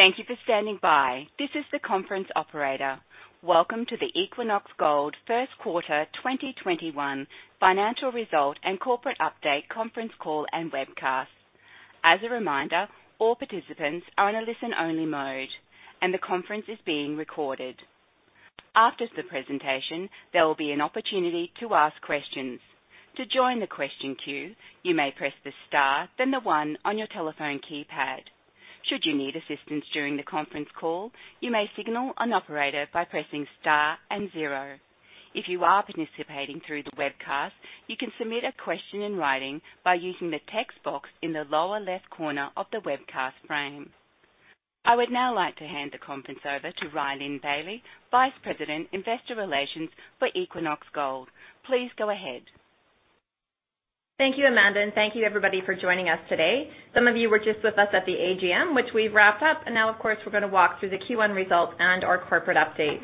Thank you for standing by. This is the conference operator. Welcome to the Equinox Gold first quarter 2021 financial result and corporate update conference call and webcast. As a reminder, all participants are in a listen-only mode, and the conference is being recorded. After the presentation, there will be an opportunity to ask questions. To join the question queue, you may press the star, then the one on your telephone keypad. Should you need assistance during the conference call, you may signal an operator by pressing star and zero. If you are participating through the webcast, you can submit a question in writing by using the text box in the lower left corner of the webcast frame. I would now like to hand the conference over to Rhylin Bailie, Vice President, Investor Relations for Equinox Gold. Please go ahead. Thank you, Amanda. Thank you everybody for joining us today. Some of you were just with us at the AGM, which we've wrapped up. Now, of course, we're going to walk through the Q1 results and our corporate update.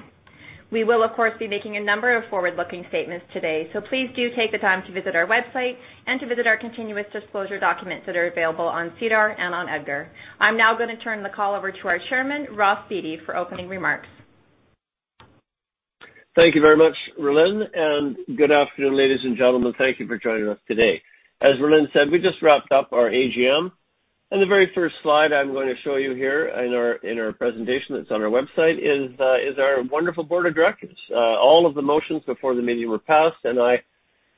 We will, of course, be making a number of forward-looking statements today. Please do take the time to visit our website and to visit our continuous disclosure documents that are available on SEDAR and on EDGAR. I'm now going to turn the call over to our Chairman, Ross Beaty, for opening remarks. Thank you very much, Rhylin, and good afternoon, ladies and gentlemen. Thank you for joining us today. As Rhylin said, we just wrapped up our AGM. The very first slide I'm going to show you here in our presentation that's on our website is our wonderful board of directors. All of the motions before the meeting were passed. I,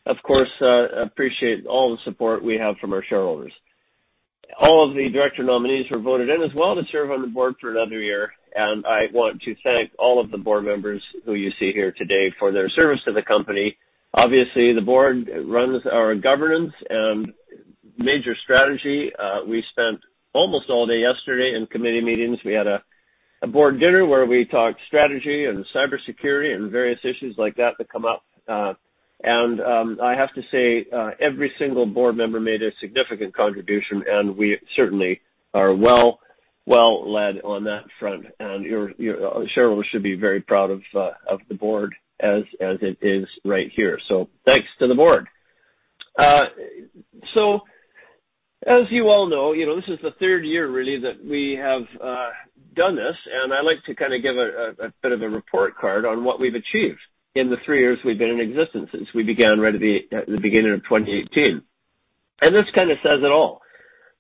of course, appreciate all the support we have from our shareholders. All of the director nominees were voted in as well to serve on the board for another year. I want to thank all of the board members who you see here today for their service to the company. Obviously, the board runs our governance and major strategy. We spent almost all day yesterday in committee meetings. We had a board dinner where we talked strategy and cybersecurity and various issues like that that come up. I have to say, every single board member made a significant contribution, and we certainly are well led on that front. Your shareholders should be very proud of the board as it is right here. Thanks to the board. As you all know, this is the third year really that we have done this, I like to give a bit of a report card on what we've achieved in the three years we've been in existence since we began right at the beginning of 2018. This says it all.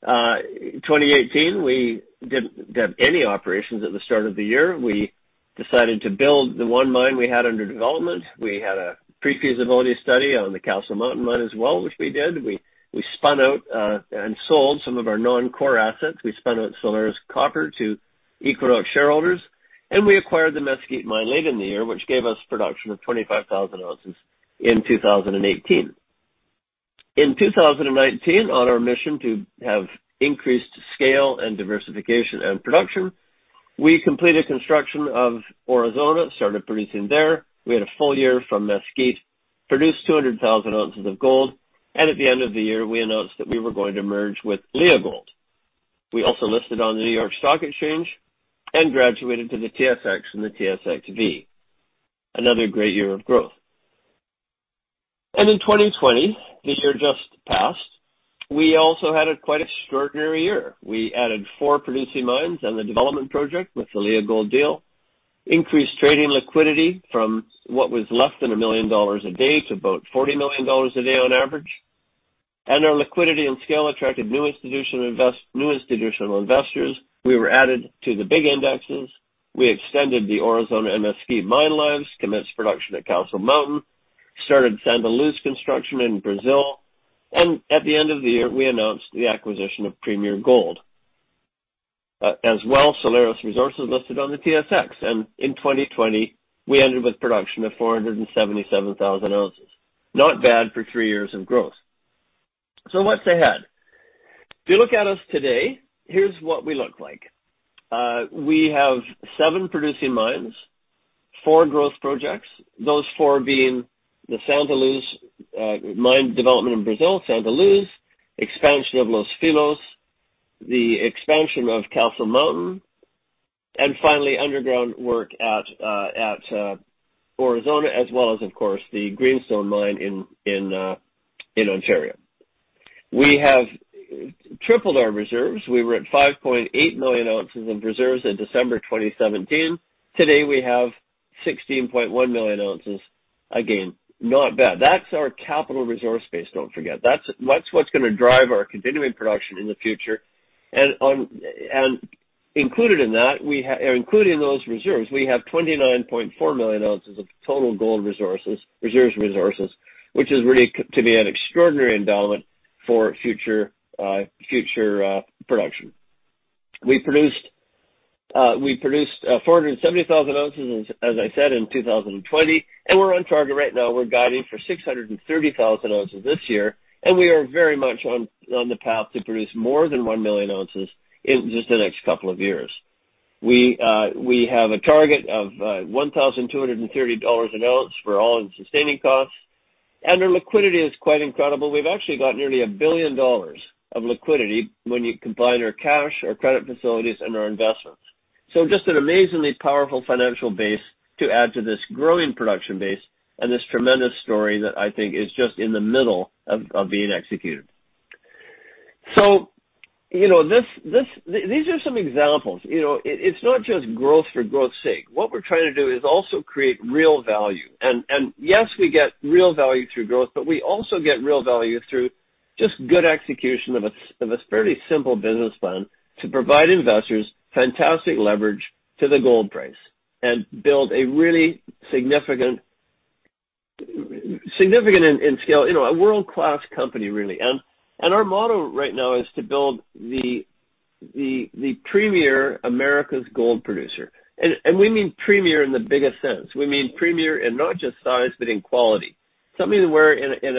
2018, we didn't have any operations at the start of the year. We decided to build the one mine we had under development. We had a pre-feasibility study on the Castle Mountain mine as well, which we did. We spun out and sold some of our non-core assets. We spun out Solaris Copper to Equinox shareholders, and we acquired the Mesquite mine late in the year, which gave us production of 25,000 ounces in 2018. In 2019, on our mission to have increased scale and diversification and production, we completed construction of Aurizona, started producing there. We had a full year from Mesquite, produced 200,000 ounces of gold, and at the end of the year, we announced that we were going to merge with Leagold. We also listed on the New York Stock Exchange and graduated to the TSX from the TSXV. Another great year of growth. In 2020, the year just passed, we also had a quite extraordinary year. We added four producing mines and the development project with the Leagold deal, increased trading liquidity from what was less than $1 million a day to about $40 million a day on average. Our liquidity and scale attracted new institutional investors. We were added to the big indexes. We extended the Aurizona and Mesquite mine lives, commenced production at Castle Mountain, started Santa Luz construction in Brazil, and at the end of the year, we announced the acquisition of Premier Gold. As well, Solaris Resources listed on the TSX, and in 2020, we ended with production of 477,000 ounces. Not bad for three years of growth. What's ahead? If you look at us today, here's what we look like. We have seven producing mines, four growth projects, those four being the Santa Luz mine development in Brazil, Santa Luz, expansion of Los Filos, the expansion of Castle Mountain, and finally, underground work at Aurizona, as well as, of course, the Greenstone mine in Ontario. We have tripled our reserves. We were at 5.8 million ounces in reserves in December 2017. Today, we have 16.1 million ounces. Again, not bad. That's our capital resource base, don't forget. That's what's going to drive our continuing production in the future. Included in those reserves, we have 29.4 million ounces of total gold reserves and resources, which is really, to me, an extraordinary endowment for future production. We produced 470,000 ounces, as I said, in 2020, and we're on target right now. We're guiding for 630,000 ounces this year, and we are very much on the path to produce more than 1 million ounces in just the next couple of years. We have a target of $1,230 an ounce for all-in sustaining cost, and our liquidity is quite incredible. We've actually got nearly $1 billion of liquidity when you combine our cash, our credit facilities, and our investments. Just an amazingly powerful financial base to add to this growing production base and this tremendous story that I think is just in the middle of being executed. These are some examples. It's not just growth for growth's sake. What we're trying to do is also create real value. Yes, we get real value through growth, but we also get real value through just good execution of a fairly simple business plan to provide investors fantastic leverage to the gold price and build a really significant in scale, a world-class company, really. Our motto right now is to build the premier Americas gold producer. We mean premier in the biggest sense. We mean premier in not just size, but in quality. Something where in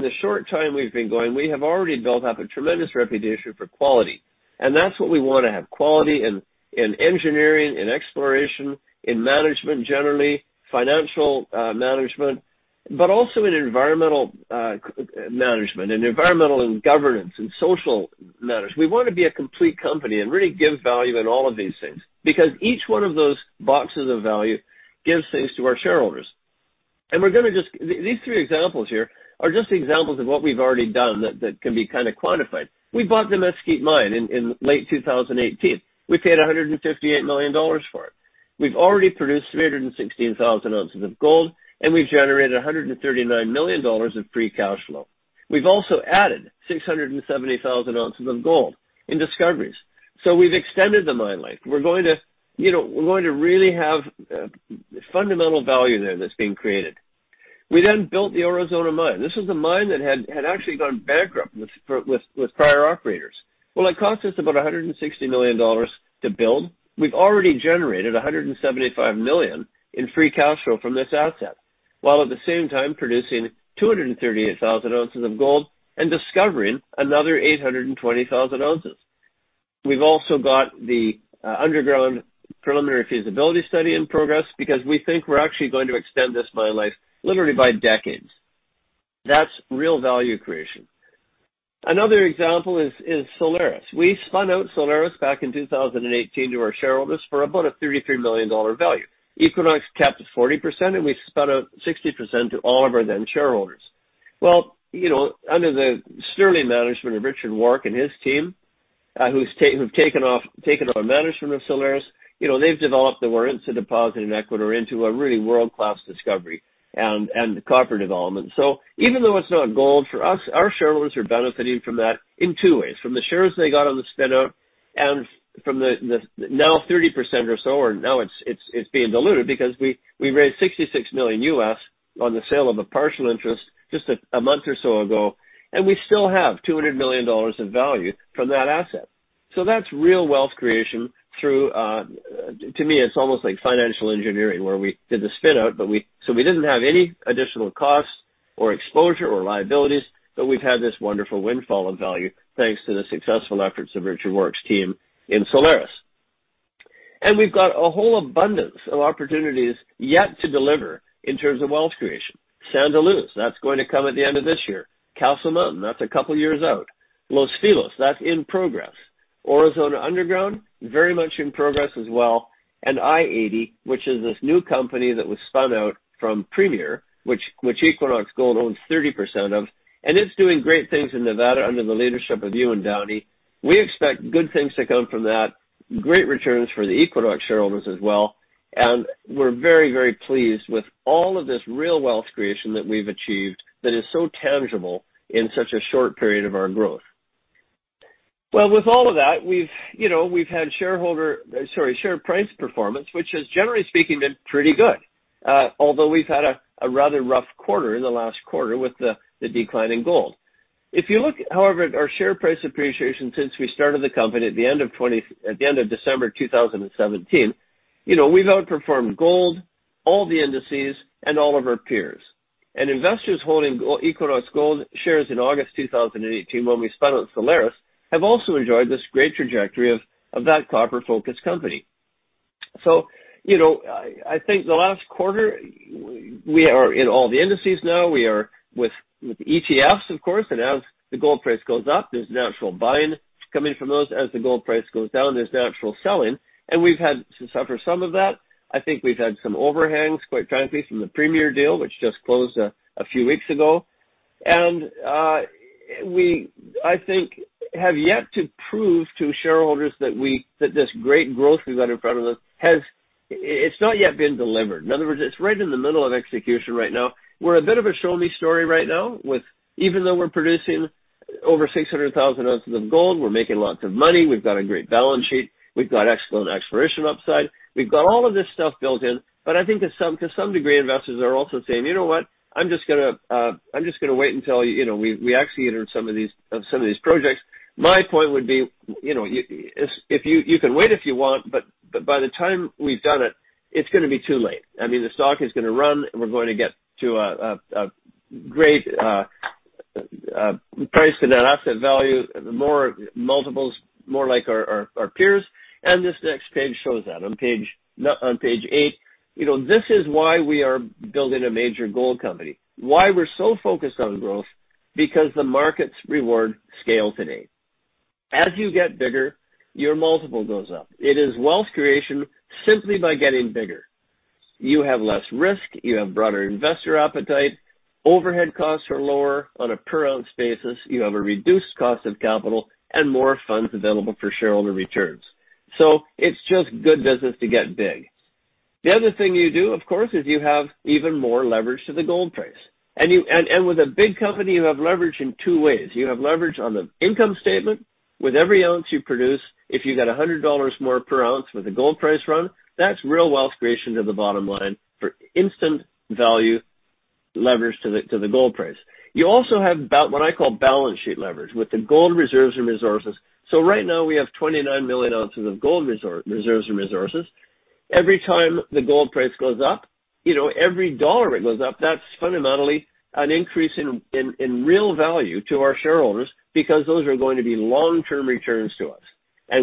the short time we've been going, we have already built up a tremendous reputation for quality, and that's what we want to have, quality in engineering, in exploration, in management, generally, financial management, but also in environmental management and environmental and governance and social matters. We want to be a complete company and really give value in all of these things. Because each one of those boxes of value gives things to our shareholders. These three examples here are just examples of what we've already done that can be kind of quantified. We bought the Mesquite mine in late 2018. We paid $158 million for it. We've already produced 316,000 ounces of gold, and we've generated $139 million of free cash flow. We've also added 670,000 ounces of gold in discoveries. We've extended the mine life. We're going to really have fundamental value there that's being created. We built the Aurizona mine. This was a mine that had actually gone bankrupt with prior operators. It cost us about $160 million to build. We've already generated $175 million in free cash flow from this asset, while at the same time producing 238,000 ounces of gold and discovering another 820,000 ounces. We've also got the underground preliminary feasibility study in progress because we think we're actually going to extend this mine life literally by decades. That's real value creation. Another example is Solaris. We spun out Solaris back in 2018 to our shareholders for about a $33 million value. Equinox kept 40%, and we spun out 60% to all of our then shareholders. Well, under the sterling management of Richard Warke and his team, who've taken on management of Solaris, they've developed the Warintza deposit in Ecuador into a really world-class discovery and copper development. Even though it's not gold for us, our shareholders are benefiting from that in two ways, from the shares they got on the spin-out and from the now 30% or so. Now it's being diluted because we raised $66 million on the sale of a partial interest just a month or so ago, and we still have $200 million in value from that asset. That's real wealth creation through, to me, it's almost like financial engineering, where we did the spin-out, so we didn't have any additional costs or exposure or liabilities, but we've had this wonderful windfall of value thanks to the successful efforts of Richard Warke's team in Solaris. We've got a whole abundance of opportunities yet to deliver in terms of wealth creation. Santa Luz, that's going to come at the end of this year. Castle Mountain, that's a couple years out. Los Filos, that's in progress. Aurizona Underground, very much in progress as well, and i-80, which is this new company that was spun out from Premier Gold Mines, which Equinox Gold owns 30% of, and it's doing great things in Nevada under the leadership of Ewan Downie. We expect good things to come from that, great returns for the Equinox Gold shareholders as well, and we're very pleased with all of this real wealth creation that we've achieved that is so tangible in such a short period of our growth. Well, with all of that, we've had share price performance, which has, generally speaking, been pretty good. We've had a rather rough quarter in the last quarter with the decline in gold. If you look, however, at our share price appreciation since we started the company at the end of December 2017, we've outperformed gold, all the indices, and all of our peers. Investors holding Equinox Gold shares in August 2018, when we spun out Solaris, have also enjoyed this great trajectory of that copper-focused company. I think the last quarter, we are in all the indices now. We are with ETFs, of course, and as the gold price goes up, there's natural buying coming from those. As the gold price goes down, there's natural selling, and we've had to suffer some of that. I think we've had some overhangs, quite frankly, from the Premier deal, which just closed a few weeks ago. We, I think, have yet to prove to shareholders that this great growth we've got in front of us, it's not yet been delivered. In other words, it's right in the middle of execution right now. We're a bit of a show-me story right now with, even though we're producing over 600,000 ounces of gold, we're making lots of money. We've got a great balance sheet. We've got excellent exploration upside. We've got all of this stuff built in. I think to some degree, investors are also saying, "You know what. I'm just going to wait until we execute on some of these projects." My point would be, you can wait if you want, but by the time we've done it's going to be too late. I mean, the stock is going to run, and we're going to get to a great price to net asset value, more multiples, more like our peers. This next page shows that. On page eight, this is why we are building a major gold company, why we're so focused on growth. Because the markets reward scale today. As you get bigger, your multiple goes up. It is wealth creation simply by getting bigger. You have less risk, you have broader investor appetite, overhead costs are lower on a per ounce basis. You have a reduced cost of capital and more funds available for shareholder returns. It's just good business to get big. The other thing you do, of course, is you have even more leverage to the gold price. With a big company, you have leverage in two ways. You have leverage on the income statement with every ounce you produce. If you get $100 more per ounce with a gold price run, that's real wealth creation to the bottom line for instant value leverage to the gold price. You also have what I call balance sheet leverage with the gold reserves and resources. Right now we have 29 million ounces of gold reserves and resources. Every time the gold price goes up, every $1 it goes up, that's fundamentally an increase in real value to our shareholders, because those are going to be long-term returns to us.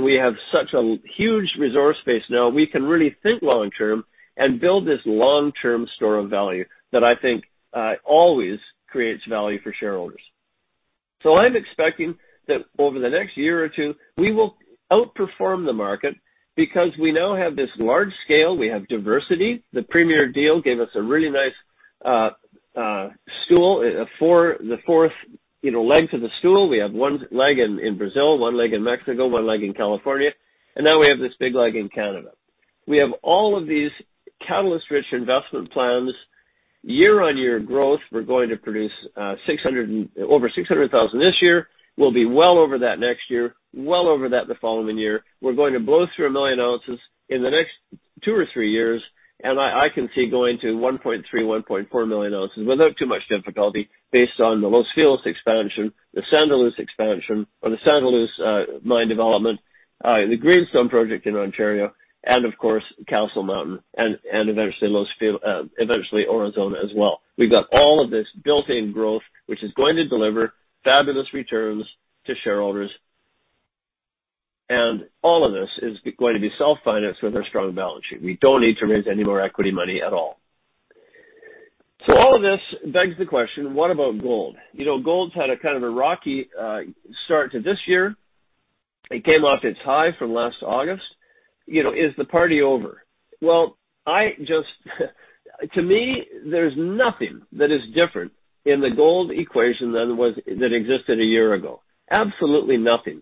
We have such a huge resource base now, we can really think long-term and build this long-term store of value that I think always creates value for shareholders. I'm expecting that over the next year or two, we will outperform the market because we now have this large scale. We have diversity. The Premier deal gave us a really nice stool, the fourth leg to the stool. We have one leg in Brazil, one leg in Mexico, one leg in California. Now we have this big leg in Canada. We have all of these catalyst-rich investment plans. Year-over-year growth, we're going to produce over 600,000 this year. We'll be well over that next year, well over that the following year. We're going to blow through 1 million ounces in the next two or three years. I can see going to 1.3, 1.4 million ounces without too much difficulty based on the Los Filos expansion, the Santa Luz expansion, or the Santa Luz mine development, the Greenstone project in Ontario. Of course, Castle Mountain, and eventually Aurizona as well. We've got all of this built-in growth, which is going to deliver fabulous returns to shareholders. All of this is going to be self-financed with our strong balance sheet. We don't need to raise any more equity money at all. All of this begs the question, what about gold? Gold's had a kind of a rocky start to this year. It came off its high from last August. Is the party over? Well, to me, there's nothing that is different in the gold equation than existed a year ago. Absolutely nothing.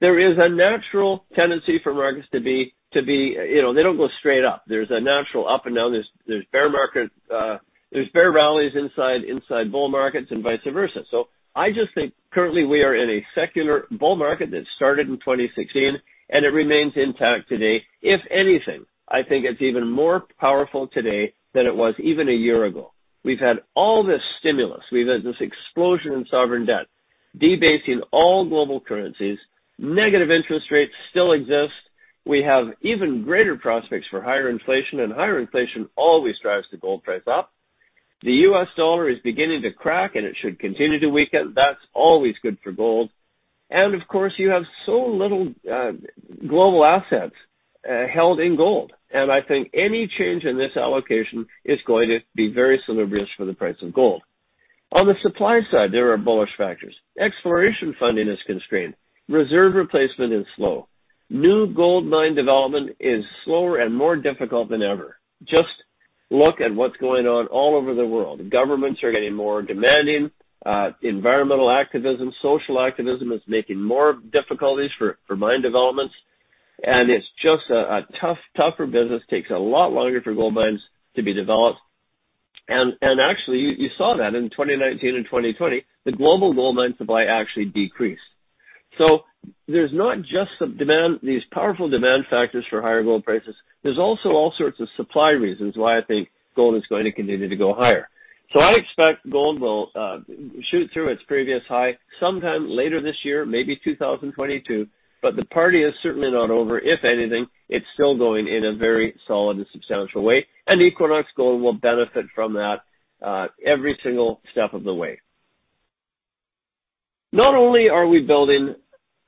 There is a natural tendency for markets to be, they don't go straight up. There's a natural up and down. There's bear rallies inside bull markets and vice versa. I just think currently we are in a secular bull market that started in 2016, and it remains intact today. If anything, I think it's even more powerful today than it was even a year ago. We've had all this stimulus. We've had this explosion in sovereign debt, debasing all global currencies. Negative interest rates still exist. We have even greater prospects for higher inflation. Higher inflation always drives the gold price up. The U.S. dollar is beginning to crack. It should continue to weaken. That's always good for gold. Of course, you have so little global assets held in gold. I think any change in this allocation is going to be very salubrious for the price of gold. On the supply side, there are bullish factors. Exploration funding is constrained. Reserve replacement is slow. New gold mine development is slower and more difficult than ever. Just look at what's going on all over the world. Governments are getting more demanding. Environmental activism, social activism is making more difficulties for mine developments. It's just a tougher business. Takes a lot longer for gold mines to be developed. Actually, you saw that in 2019 and 2020, the global gold mine supply actually decreased. There's not just these powerful demand factors for higher gold prices. There's also all sorts of supply reasons why I think gold is going to continue to go higher. I expect gold will shoot through its previous high sometime later this year, maybe 2022, but the party is certainly not over. If anything, it's still going in a very solid and substantial way, and Equinox Gold will benefit from that every single step of the way. Not only are we building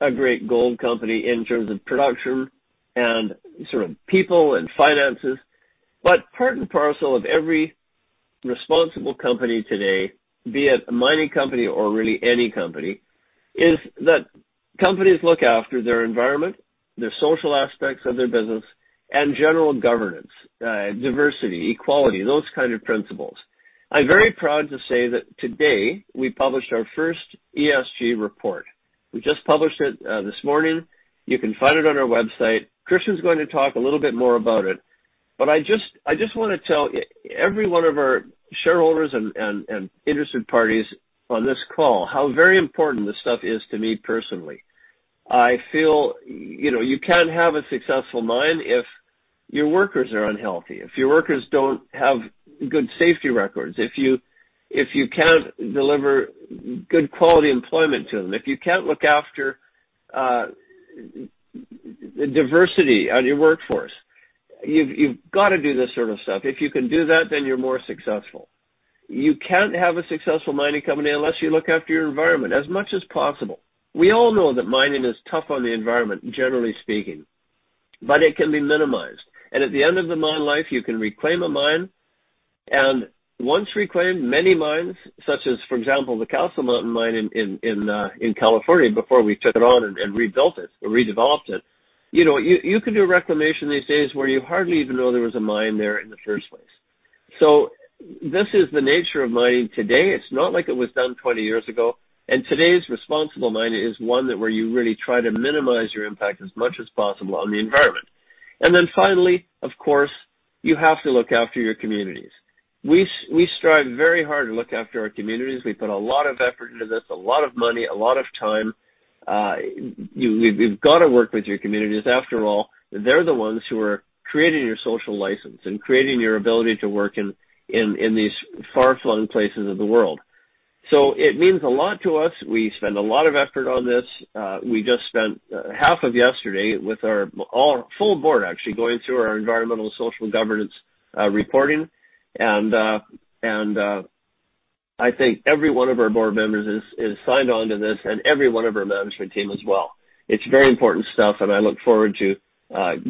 a great gold company in terms of production and sort of people and finances, but part and parcel of every responsible company today, be it a mining company or really any company, is that companies look after their environment, the social aspects of their business, and general governance, diversity, equality, those kind of principles. I'm very proud to say that today we published our first ESG report. We just published it this morning. You can find it on our website. Christian's going to talk a little bit more about it, but I just want to tell every one of our shareholders and interested parties on this call how very important this stuff is to me personally. I feel you can't have a successful mine if your workers are unhealthy, if your workers don't have good safety records, if you can't deliver good quality employment to them, if you can't look after diversity on your workforce. You've got to do this sort of stuff. If you can do that, then you're more successful. You can't have a successful mining company unless you look after your environment as much as possible. We all know that mining is tough on the environment, generally speaking. It can be minimized. At the end of the mine life, you can reclaim a mine. Once reclaimed, many mines, such as, for example, the Castle Mountain mine in California, before we took it on and rebuilt it or redeveloped it, you can do a reclamation these days where you hardly even know there was a mine there in the first place. This is the nature of mining today. It's not like it was done 20 years ago. Today's responsible mining is one that where you really try to minimize your impact as much as possible on the environment. Finally, of course, you have to look after your communities. We strive very hard to look after our communities. We put a lot of effort into this, a lot of money, a lot of time. You've got to work with your communities. After all, they're the ones who are creating your social license and creating your ability to work in these far-flung places of the world. It means a lot to us. We spend a lot of effort on this. We just spent half of yesterday with our full board, actually, going through our environmental social governance reporting. I think every one of our board members is signed on to this and every one of our management team as well. It's very important stuff, and I look forward to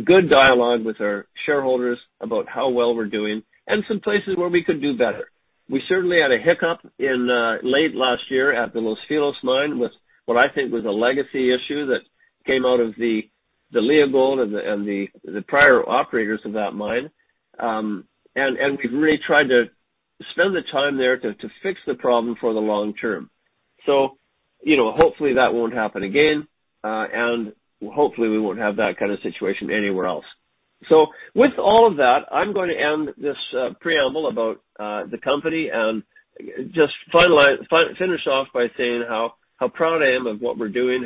good dialogue with our shareholders about how well we're doing and some places where we could do better. We certainly had a hiccup in late last year at the Los Filos mine with what I think was a legacy issue that came out of the Leagold and the prior operators of that mine. We've really tried to spend the time there to fix the problem for the long term. Hopefully that won't happen again, and hopefully we won't have that kind of situation anywhere else. With all of that, I'm going to end this preamble about the company and just finish off by saying how proud I am of what we're doing,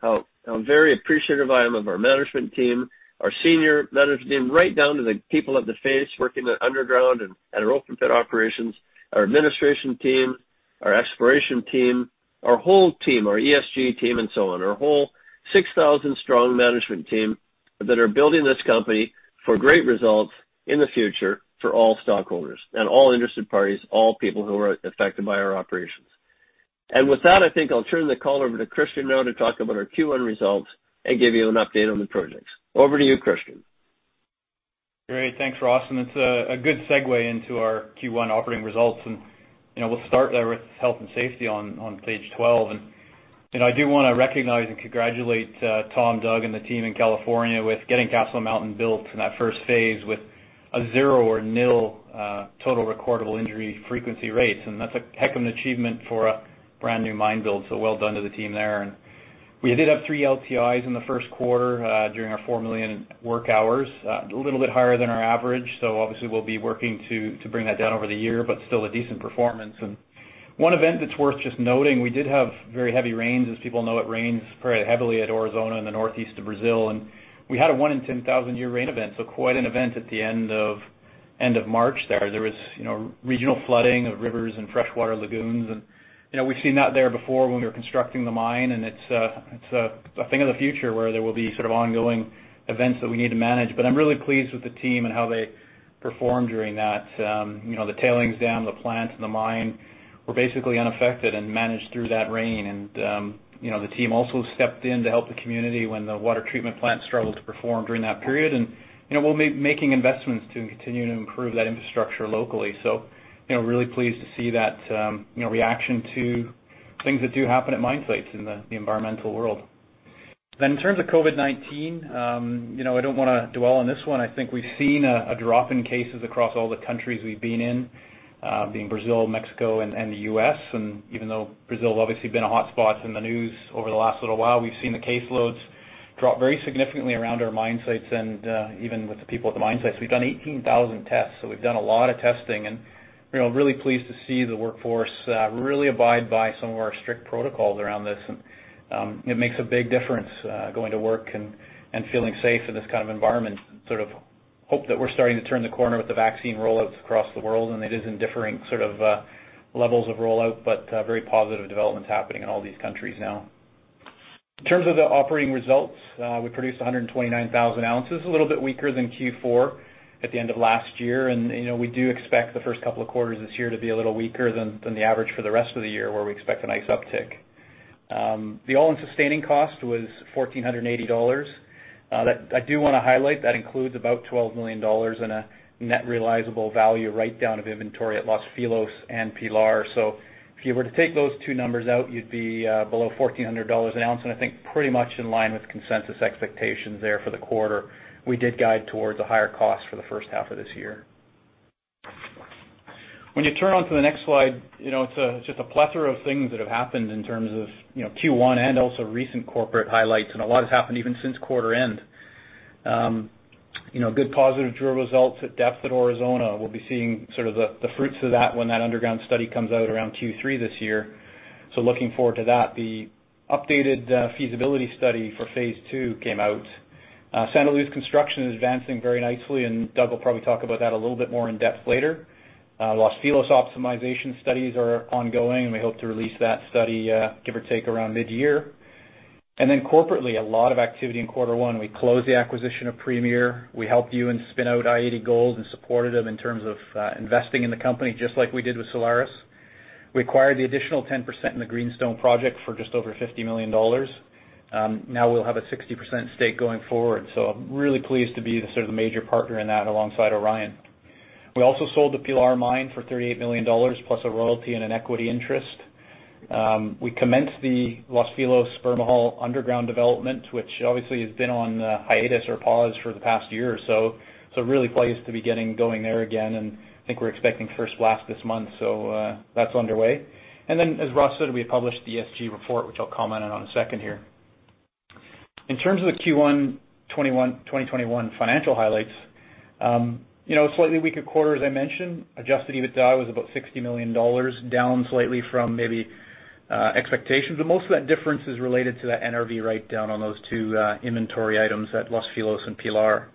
how very appreciative I am of our management team, our senior management team, right down to the people at the face working the underground and at our open pit operations, our administration team, our exploration team, our whole team, our ESG team, and so on. Our whole 6,000-strong management team that are building this company for great results in the future for all stockholders and all interested parties, all people who are affected by our operations. With that, I think I'll turn the call over to Christian now to talk about our Q1 results and give you an update on the projects. Over to you, Christian. Great. Thanks, Ross, it's a good segue into our Q1 operating results. We'll start there with health and safety on page 12. I do want to recognize and congratulate Tom, Doug, and the team in California with getting Castle Mountain built in that first phase with a zero or nil total recordable injury frequency rates. That's a heck of an achievement for a brand-new mine build, so well done to the team there. We did have three LTIs in the first quarter during our 4 million work hours, a little bit higher than our average, so obviously we'll be working to bring that down over the year, but still a decent performance. One event that's worth just noting, we did have very heavy rains. As people know, it rains very heavily at Aurizona in the northeast of Brazil. We had a one in 10,000-year rain event, quite an event at the end of March there. There was regional flooding of rivers and freshwater lagoons. We've seen that there before when we were constructing the mine. It's a thing of the future where there will be sort of ongoing events that we need to manage. I'm really pleased with the team and how they performed during that. The tailings dam, the plant, and the mine were basically unaffected and managed through that rain. The team also stepped in to help the community when the water treatment plant struggled to perform during that period. We'll be making investments to continue to improve that infrastructure locally. Really pleased to see that reaction to things that do happen at mine sites in the environmental world. In terms of COVID-19, I don't want to dwell on this one. I think we've seen a drop in cases across all the countries we've been in, being Brazil, Mexico, and the U.S. Even though Brazil has obviously been a hotspot in the news over the last little while, we've seen the caseloads drop very significantly around our mine sites and even with the people at the mine sites. We've done 18,000 tests. We've done a lot of testing, really pleased to see the workforce really abide by some of our strict protocols around this. It makes a big difference going to work and feeling safe in this kind of environment, sort of hope that we're starting to turn the corner with the vaccine rollouts across the world. It is in differing levels of rollout, but very positive developments happening in all these countries now. In terms of the operating results, we produced 129,000 ounces, a little bit weaker than Q4 at the end of last year. We do expect the first couple of quarters this year to be a little weaker than the average for the rest of the year, where we expect a nice uptick. The all-in sustaining cost was $1,480. I do want to highlight that includes about $12 million in a net realizable value write-down of inventory at Los Filos and Pilar. If you were to take those two numbers out, you'd be below $1,400 an ounce, and I think pretty much in line with consensus expectations there for the quarter. We did guide towards a higher cost for the first half of this year. When you turn onto the next slide, it's just a plethora of things that have happened in terms of Q1 and also recent corporate highlights, and a lot has happened even since quarter end. Good positive drill results at depth at Aurizona. We'll be seeing the fruits of that when that underground study comes out around Q3 this year. Looking forward to that. The updated feasibility study for phase II came out. Santa Luz construction is advancing very nicely. Doug will probably talk about that a little bit more in-depth later. Los Filos optimization studies are ongoing. We hope to release that study, give or take, around mid-year. Corporately, a lot of activity in quarter one. We closed the acquisition of Premier. We helped Ewan spin out i-80 Gold Corp. and supported them in terms of investing in the company, just like we did with Solaris. We acquired the additional 10% in the Greenstone project for just over $50 million. Now we'll have a 60% stake going forward. I'm really pleased to be the major partner in that alongside Orion. We also sold the Pilar Mine for $38 million, plus a royalty and an equity interest. We commenced the Los Filos-Bermejal haul underground development, which obviously has been on hiatus or pause for the past year or so. Really pleased to be getting going there again, and I think we're expecting first blast this month. That's underway. As Ross said, we published the ESG report, which I'll comment on in a second here. In terms of the Q1 2021 financial highlights, a slightly weaker quarter, as I mentioned. Adjusted EBITDA was about $60 million, down slightly from maybe expectations. Most of that difference is related to that NRV write-down on those two inventory items at Los Filos and Pilar.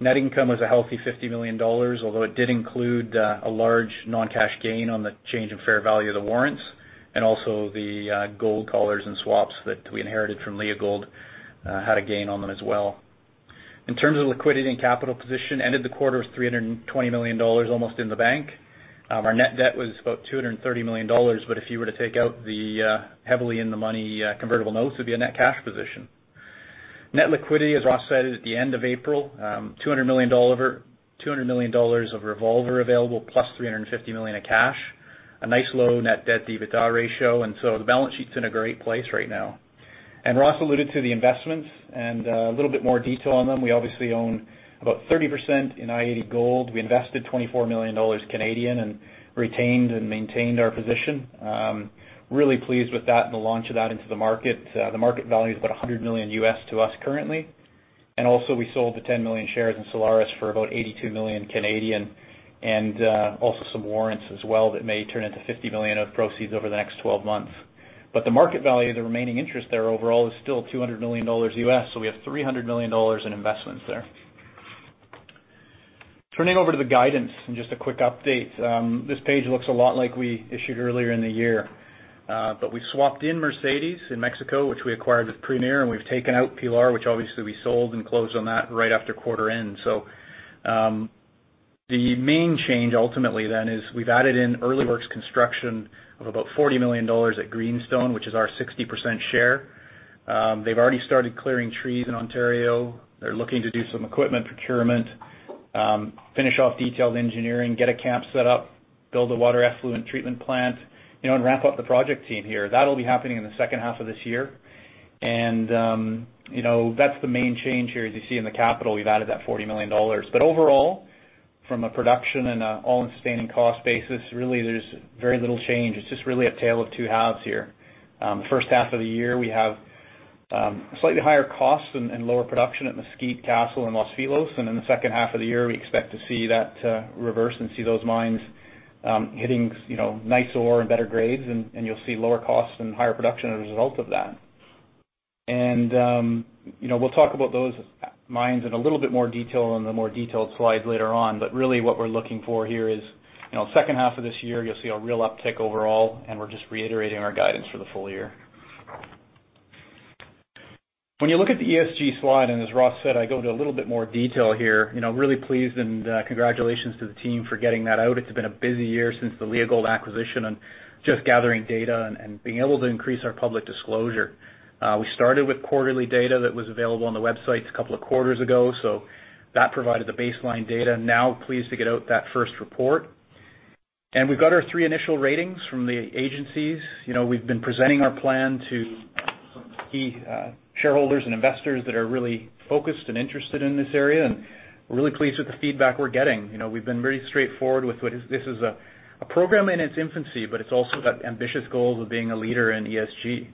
Net income was a healthy $50 million, although it did include a large non-cash gain on the change in fair value of the warrants, and also the gold collars and swaps that we inherited from Leagold had a gain on them as well. In terms of liquidity and capital position, ended the quarter with $320 million almost in the bank. Our net debt was about $230 million. If you were to take out the heavily in-the-money convertible notes, it would be a net cash position. Net liquidity, as Ross said, at the end of April, $200 million of revolver available plus $350 million of cash. A nice low net debt to EBITDA ratio, the balance sheet's in a great place right now. Ross alluded to the investments, and a little bit more detail on them. We obviously own about 30% in i-80 Gold. We invested 24 million Canadian dollars and retained and maintained our position. Really pleased with that and the launch of that into the market. The market value is about $100 million to us currently. We sold the 10 million shares in Solaris for about 82 million, and also some warrants as well that may turn into $50 million of proceeds over the next 12 months. The market value of the remaining interest there overall is still $200 million, so we have $300 million in investments there. Turning over to the guidance and just a quick update. This page looks a lot like we issued earlier in the year. We swapped in Mercedes in Mexico, which we acquired with Premier, and we've taken out Pilar, which obviously we sold and closed on that right after quarter end. The main change ultimately then is we've added in early works construction of about $40 million at Greenstone, which is our 60% share. They've already started clearing trees in Ontario. They're looking to do some equipment procurement, finish off detailed engineering, get a camp set up, build a water effluent treatment plant, and ramp up the project team here. That'll be happening in the second half of this year. That's the main change here. As you see in the capital, we've added that $40 million. Overall, from a production and an all-in sustaining cost basis, really there's very little change. It's just really a tale of two halves here. The first half of the year, we have slightly higher costs and lower production at Mesquite, Castle and Los Filos, and in the second half of the year, we expect to see that reverse and see those mines hitting nicer ore and better grades, and you'll see lower costs and higher production as a result of that. We'll talk about those mines in a little bit more detail on the more detailed slides later on. Really what we're looking for here is second half of this year, you'll see a real uptick overall, and we're just reiterating our guidance for the full year. When you look at the ESG slide, and as Ross said, I go into a little bit more detail here. Really pleased and congratulations to the team for getting that out. It's been a busy year since the Leagold acquisition and just gathering data and being able to increase our public disclosure. We started with quarterly data that was available on the websites a couple of quarters ago, so that provided the baseline data. Now pleased to get out that first report. We've got our three initial ratings from the agencies. We've been presenting our plan to some key shareholders and investors that are really focused and interested in this area, and we're really pleased with the feedback we're getting. We've been very straightforward with this is a program in its infancy, but it's also got ambitious goals of being a leader in ESG.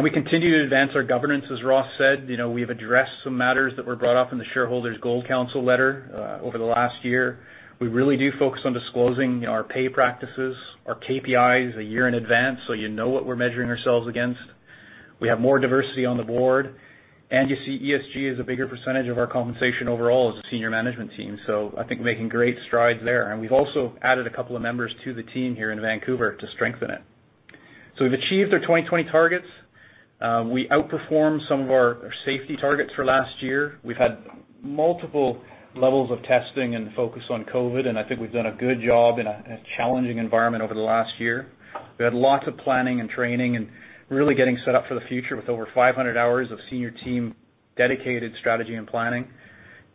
We continue to advance our governance, as Ross said. We've addressed some matters that were brought up in the Shareholders' Gold Council letter over the last year. We really do focus on disclosing our pay practices, our KPIs a year in advance so you know what we're measuring ourselves against. We have more diversity on the board, and you see ESG is a bigger percentage of our compensation overall as a senior management team. I think making great strides there. We've also added 2 members to the team here in Vancouver to strengthen it. We've achieved our 2020 targets. We outperformed some of our safety targets for last year. We've had multiple levels of testing and focus on COVID, and I think we've done a good job in a challenging environment over the last year. We had lots of planning and training and really getting set up for the future with over 500 hours of senior team dedicated strategy and planning.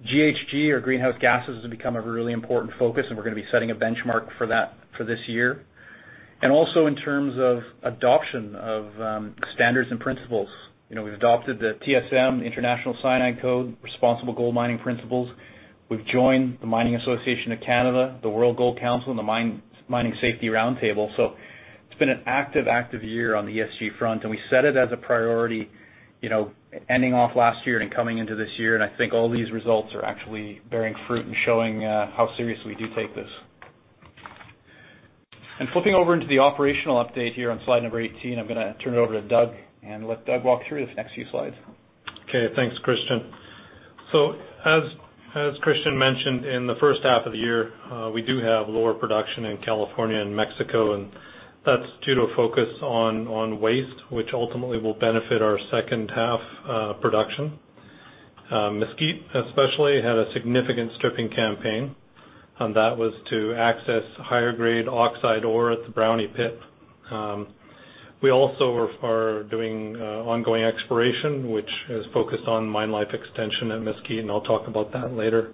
GHG, or greenhouse gases, have become a really important focus, and we're going to be setting a benchmark for that for this year. Also in terms of adoption of standards and principles. We've adopted the TSM International Cyanide Code Responsible Gold Mining Principles. We've joined The Mining Association of Canada, the World Gold Council, and the Mining Safety Roundtable. It's been an active year on the ESG front, and we set it as a priority ending off last year and coming into this year, and I think all these results are actually bearing fruit and showing how serious we do take this. Flipping over into the operational update here on slide number 18, I'm going to turn it over to Doug and let Doug walk through these next few slides. Okay, thanks, Christian. As Christian mentioned, in the first half of the year, we do have lower production in California and Mexico, and that's due to a focus on waste, which ultimately will benefit our second half production. Mesquite especially had a significant stripping campaign, and that was to access higher grade oxide ore at the Brawny Pit. We also are doing ongoing exploration, which is focused on mine life extension at Mesquite, and I'll talk about that later.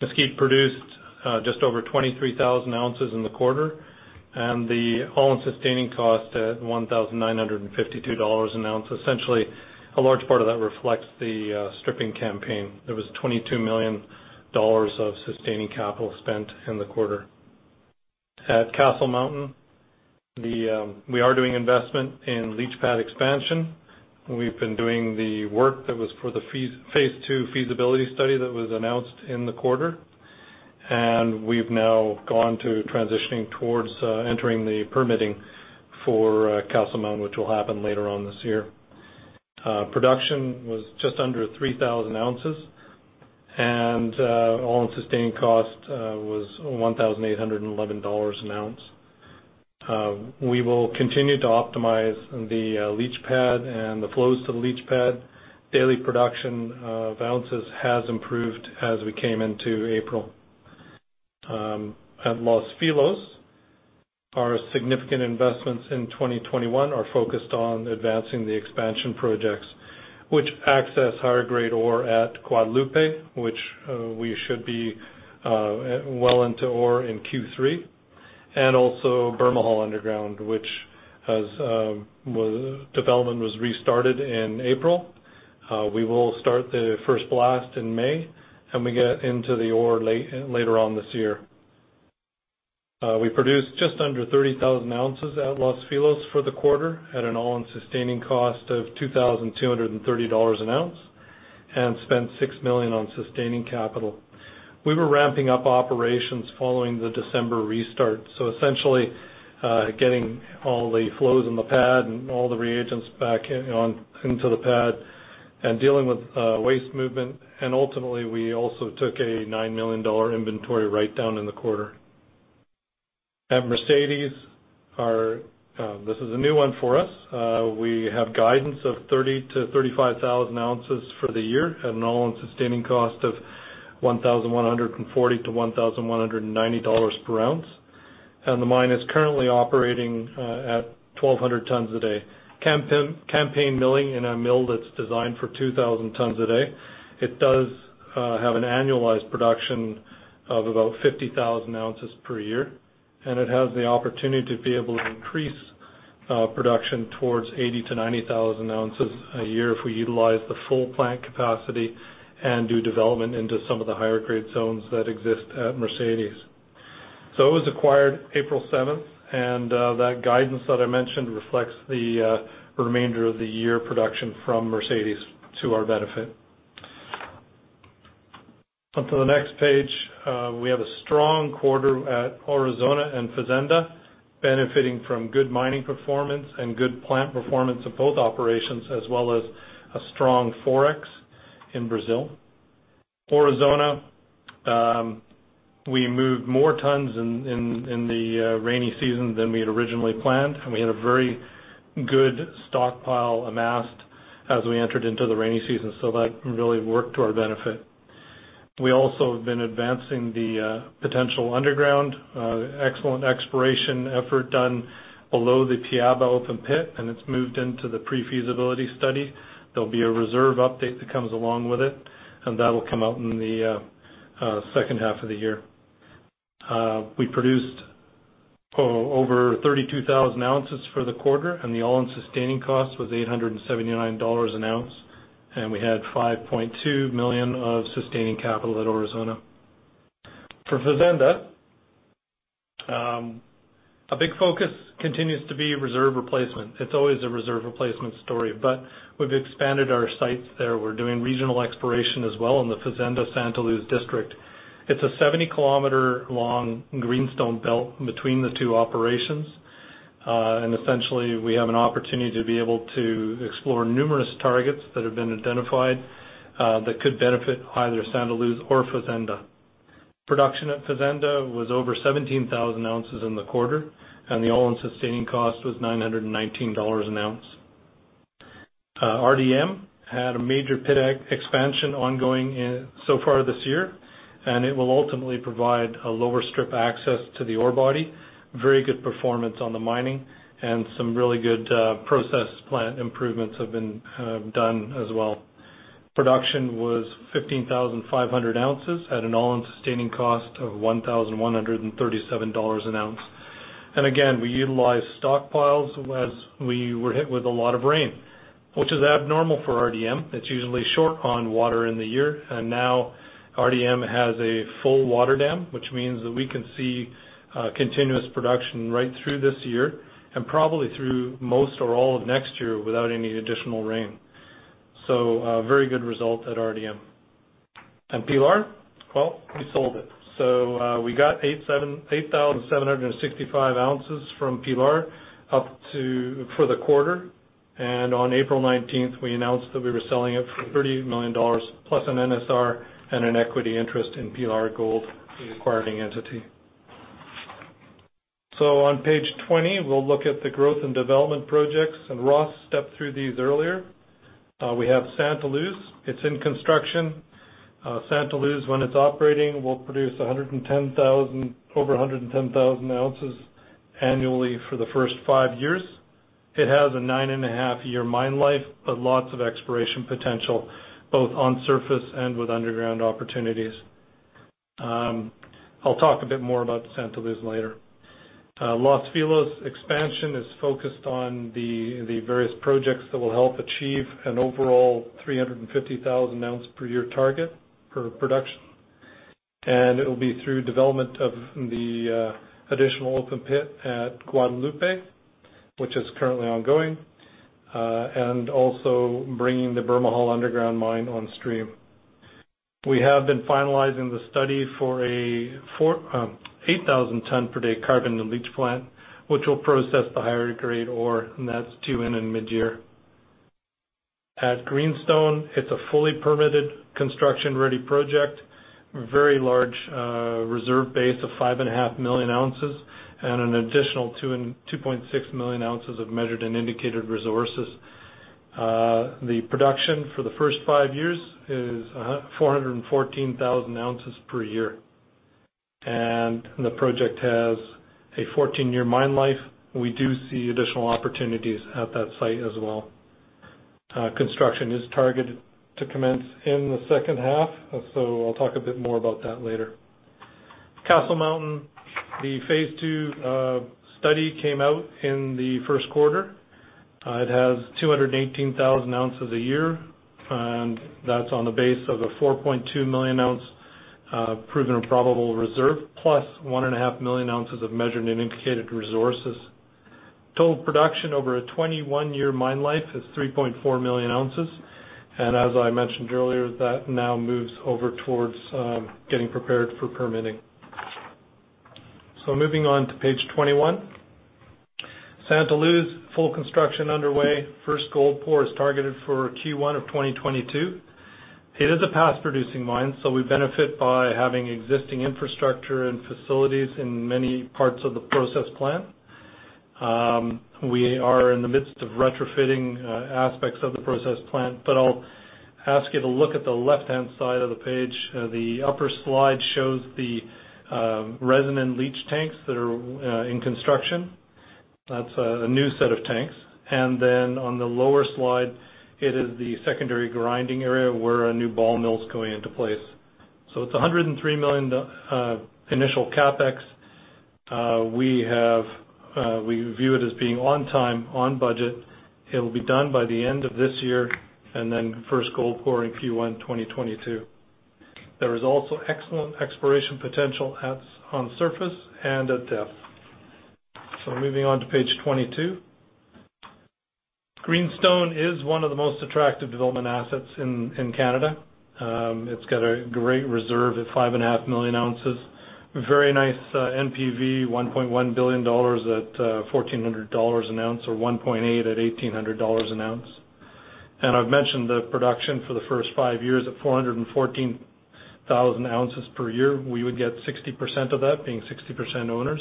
Mesquite produced just over 23,000 ounces in the quarter, and the all-in sustaining cost at $1,952 an ounce. Essentially, a large part of that reflects the stripping campaign. There was $22 million of sustaining capital spent in the quarter. At Castle Mountain, we are doing investment in leach pad expansion. We've been doing the work that was for the phase 2 feasibility study that was announced in the quarter. We've now gone to transitioning towards entering the permitting for Castle Mountain, which will happen later on this year. Production was just under 3,000 ounces, and all-in sustaining cost was $1,811 an ounce. We will continue to optimize the leach pad and the flows to the leach pad. Daily production of ounces has improved as we came into April. At Los Filos, our significant investments in 2021 are focused on advancing the expansion projects, which access higher grade ore at Guadalupe, which we should be well into ore in Q3, and also Bermejal underground, which development was restarted in April. We will start the first blast in May, and we get into the ore later on this year. We produced just under 30,000 ounces at Los Filos for the quarter at an all-in sustaining cost of $2,230 an ounce and spent $6 million on sustaining capital. We were ramping up operations following the December restart, essentially, getting all the flows in the pad and all the reagents back into the pad and dealing with waste movement. Ultimately, we also took a $9 million inventory write-down in the quarter. At Mercedes, this is a new one for us. We have guidance of 30,000 to 35,000 ounces for the year at an all-in sustaining cost of $1,140 to $1,190 per ounce. The mine is currently operating at 1,200 tons a day. Campaign milling in a mill that's designed for 2,000 tons a day. It does have an annualized production of about 50,000 ounces per year, and it has the opportunity to be able to increase production towards 80,000 to 90,000 ounces a year if we utilize the full plant capacity and do development into some of the higher grade zones that exist at Mercedes. It was acquired April 7th, and that guidance that I mentioned reflects the remainder of the year production from Mercedes to our benefit. On to the next page, we have a strong quarter at Aurizona and Fazenda, benefiting from good mining performance and good plant performance of both operations, as well as a strong Forex in Brazil. Aurizona, we moved more tons in the rainy season than we had originally planned, and we had a very good stockpile amassed as we entered into the rainy season. That really worked to our benefit. We also have been advancing the potential underground. Excellent exploration effort done below the Tatajuba open pit, and it's moved into the pre-feasibility study. There'll be a reserve update that comes along with it, and that'll come out in the second half of the year. We produced over 32,000 ounces for the quarter, the all-in sustaining cost was $879 an ounce. We had $5.2 million of sustaining capital at Aurizona. For Fazenda, a big focus continues to be reserve replacement. It's always a reserve replacement story, but we've expanded our sites there. We're doing regional exploration as well in the Fazenda Santa Luz district. It's a 70-kilometer-long greenstone belt between the two operations. Essentially, we have an opportunity to be able to explore numerous targets that have been identified that could benefit either Santa Luz or Fazenda. Production at Fazenda was over 17,000 ounces in the quarter, and the all-in sustaining cost was $919 an ounce. RDM had a major pit expansion ongoing so far this year, and it will ultimately provide a lower strip access to the ore body. Very good performance on the mining and some really good process plant improvements have been done as well. Production was 15,500 ounces at an all-in sustaining cost of $1,137 an ounce. Again, we utilized stockpiles as we were hit with a lot of rain, which is abnormal for RDM. It's usually short on water in the year, now RDM has a full water dam, which means that we can see continuous production right through this year and probably through most or all of next year without any additional rain. A very good result at RDM. Pilar, well, we sold it. We got 8,765 ounces from Pilar for the quarter, and on April 19th, we announced that we were selling it for $30 million plus an NSR and an equity interest in Pilar Gold, the acquiring entity. On page 20, we'll look at the growth and development projects, and Ross stepped through these earlier. We have Santa Luz. It's in construction. Santa Luz, when it's operating, will produce over 110,000 ounces annually for the first five years. It has a nine and a half year mine life, but lots of exploration potential, both on surface and with underground opportunities. I'll talk a bit more about Santa Luz later. Los Filos expansion is focused on the various projects that will help achieve an overall 350,000 ounce per year target for production. It will be through development of the additional open pit at Guadalupe, which is currently ongoing, and also bringing the Bermejal underground mine on stream. We have been finalizing the study for a 8,000 ton per day carbon-in-leach plant, which will process the higher grade ore, and that's due in mid-year. At Greenstone, it's a fully permitted construction-ready project, very large reserve base of 5.5 million ounces, and an additional 2.6 million ounces of measured and indicated resources. The production for the first five years is 414,000 ounces per year. The project has a 14-year mine life. We do see additional opportunities at that site as well. Construction is targeted to commence in the second half, I'll talk a bit more about that later. Castle Mountain, the phase two study came out in the first quarter. It has 218,000 ounces a year. That's on the base of a 4.2 million ounce proven and probable reserve, plus one and a half million ounces of measured and indicated resources. Total production over a 21-year mine life is 3.4 million ounces. As I mentioned earlier, that now moves over towards getting prepared for permitting. Moving on to page 21. Santa Luz, full construction underway. First gold pour is targeted for Q1 2022. It is a past producing mine. We benefit by having existing infrastructure and facilities in many parts of the process plant. We are in the midst of retrofitting aspects of the process plant. I'll ask you to look at the left-hand side of the page. The upper slide shows the resin-in-leach tanks that are in construction. That's a new set of tanks. On the lower slide, it is the secondary grinding area where a new ball mill's going into place. It's $103 million initial CapEx. We view it as being on time, on budget. It'll be done by the end of this year, first gold pour in Q1 2022. There is also excellent exploration potential on surface and at depth. Moving on to page 22. Greenstone is one of the most attractive development assets in Canada. It's got a great reserve at 5.5 million ounces. Very nice NPV, $1.1 billion at $1,400 an ounce or $1.8 billion at $1,800 an ounce. I've mentioned the production for the first five years at 414,000 ounces per year. We would get 60% of that being 60% owners.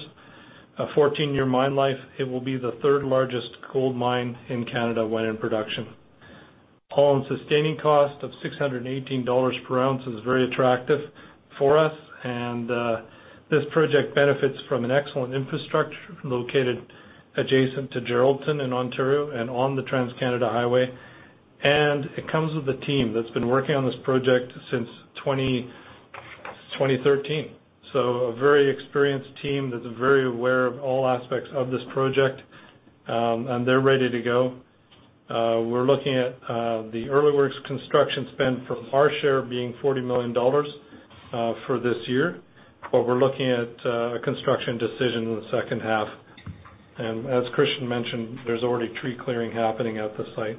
A 14-year mine life. It will be the third largest gold mine in Canada when in production. All-in sustaining cost of $618 per ounce is very attractive for us. This project benefits from an excellent infrastructure located adjacent to Geraldton in Ontario and on the TransCanada Highway. It comes with a team that's been working on this project since 2013. A very experienced team that's very aware of all aspects of this project, and they're ready to go. We're looking at the early works construction spend for our share being $40 million for this year, but we're looking at a construction decision in the second half. As Christian mentioned, there's already tree clearing happening at the site.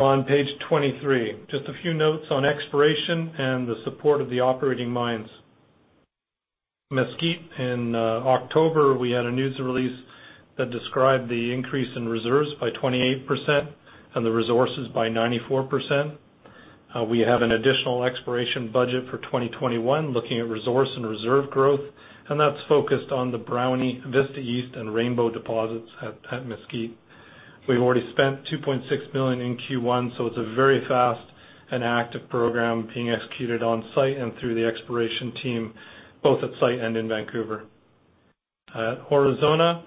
On page 23, just a few notes on exploration and the support of the operating mines. Mesquite, in October, we had a news release that described the increase in reserves by 28% and the resources by 94%. We have an additional exploration budget for 2021 looking at resource and reserve growth, that's focused on the Brownie Vista East and Rainbow deposits at Mesquite. We've already spent $2.6 million in Q1, it's a very fast and active program being executed on site and through the exploration team, both at site and in Vancouver. At Aurizona,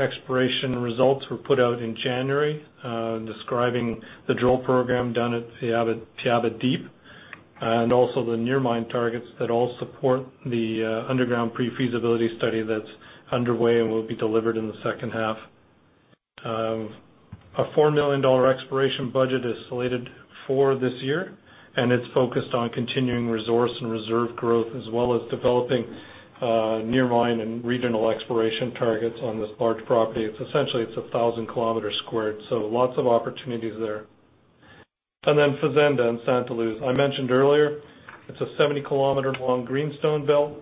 exploration results were put out in January describing the drill program done at the Tatajuba Deep, also the near mine targets that all support the underground pre-feasibility study that's underway, will be delivered in the second half. A $4 million exploration budget is slated for this year, it's focused on continuing resource and reserve growth as well as developing near mine and regional exploration targets on this large property. It's essentially 1,000 sq km, lots of opportunities there. Fazenda and Santa Luz. I mentioned earlier, it's a 70-kilometer long greenstone belt.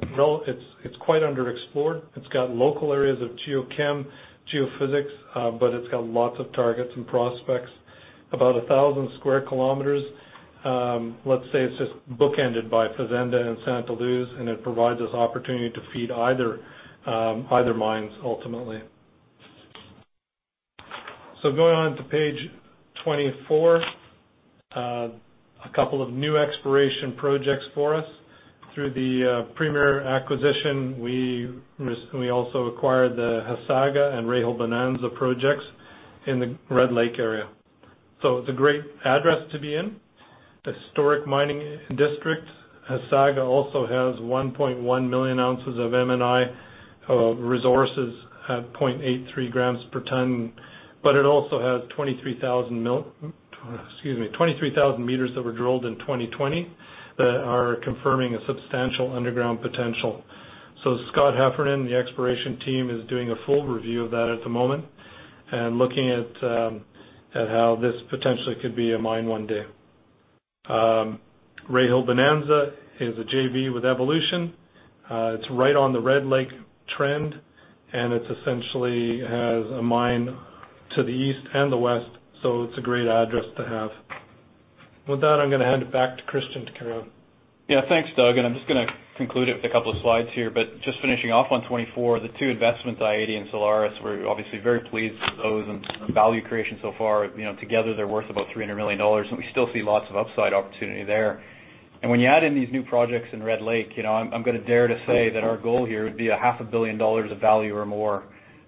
It's quite underexplored. It's got local areas of geochem, geophysics, but it's got lots of targets and prospects. About 1,000 square kilometers. Let's say it's just bookended by Fazenda and Santa Luz, and it provides us opportunity to feed either mines ultimately. Going on to page 24, a couple of new exploration projects for us. Through the Premier acquisition, we also acquired the Hasaga and Rahill-Bonanza projects in the Red Lake area. It's a great address to be in, historic mining district. Hasaga also has 1.1 million ounces of M&I resources at 0.83 grams per ton. It also has 23,000 meters that were drilled in 2020 that are confirming a substantial underground potential. Scott Heffernan, the exploration team, is doing a full review of that at the moment and looking at how this potentially could be a mine one day. Rahill-Bonanza is a JV with Evolution. It's right on the Red Lake trend, and it essentially has a mine to the east and the west, so it's a great address to have. With that, I'm going to hand it back to Christian to carry on. Yeah, thanks, Doug. I'm just going to conclude it with a couple of slides here. Just finishing off on 24, the two investments, i-80 and Solaris, we're obviously very pleased with those and value creation so far. Together they're worth about $300 million. We still see lots of upside opportunity there. When you add in these new projects in Red Lake, I'm going to dare to say that our goal here would be a half a billion dollars of value or more.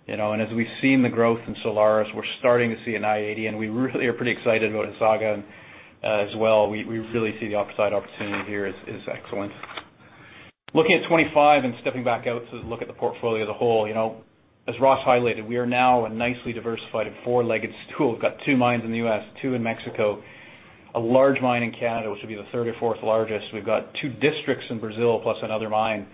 As we've seen the growth in Solaris, we're starting to see in i-80, and we really are pretty excited about Hasaga as well. We really see the upside opportunity here is excellent. Looking at 25 and stepping back out to look at the portfolio as a whole, as Ross highlighted, we are now a nicely diversified four-legged stool. We've got two mines in the U.S., two in Mexico, a large mine in Canada, which would be the third or fourth largest. We've got two districts in Brazil, plus another mine.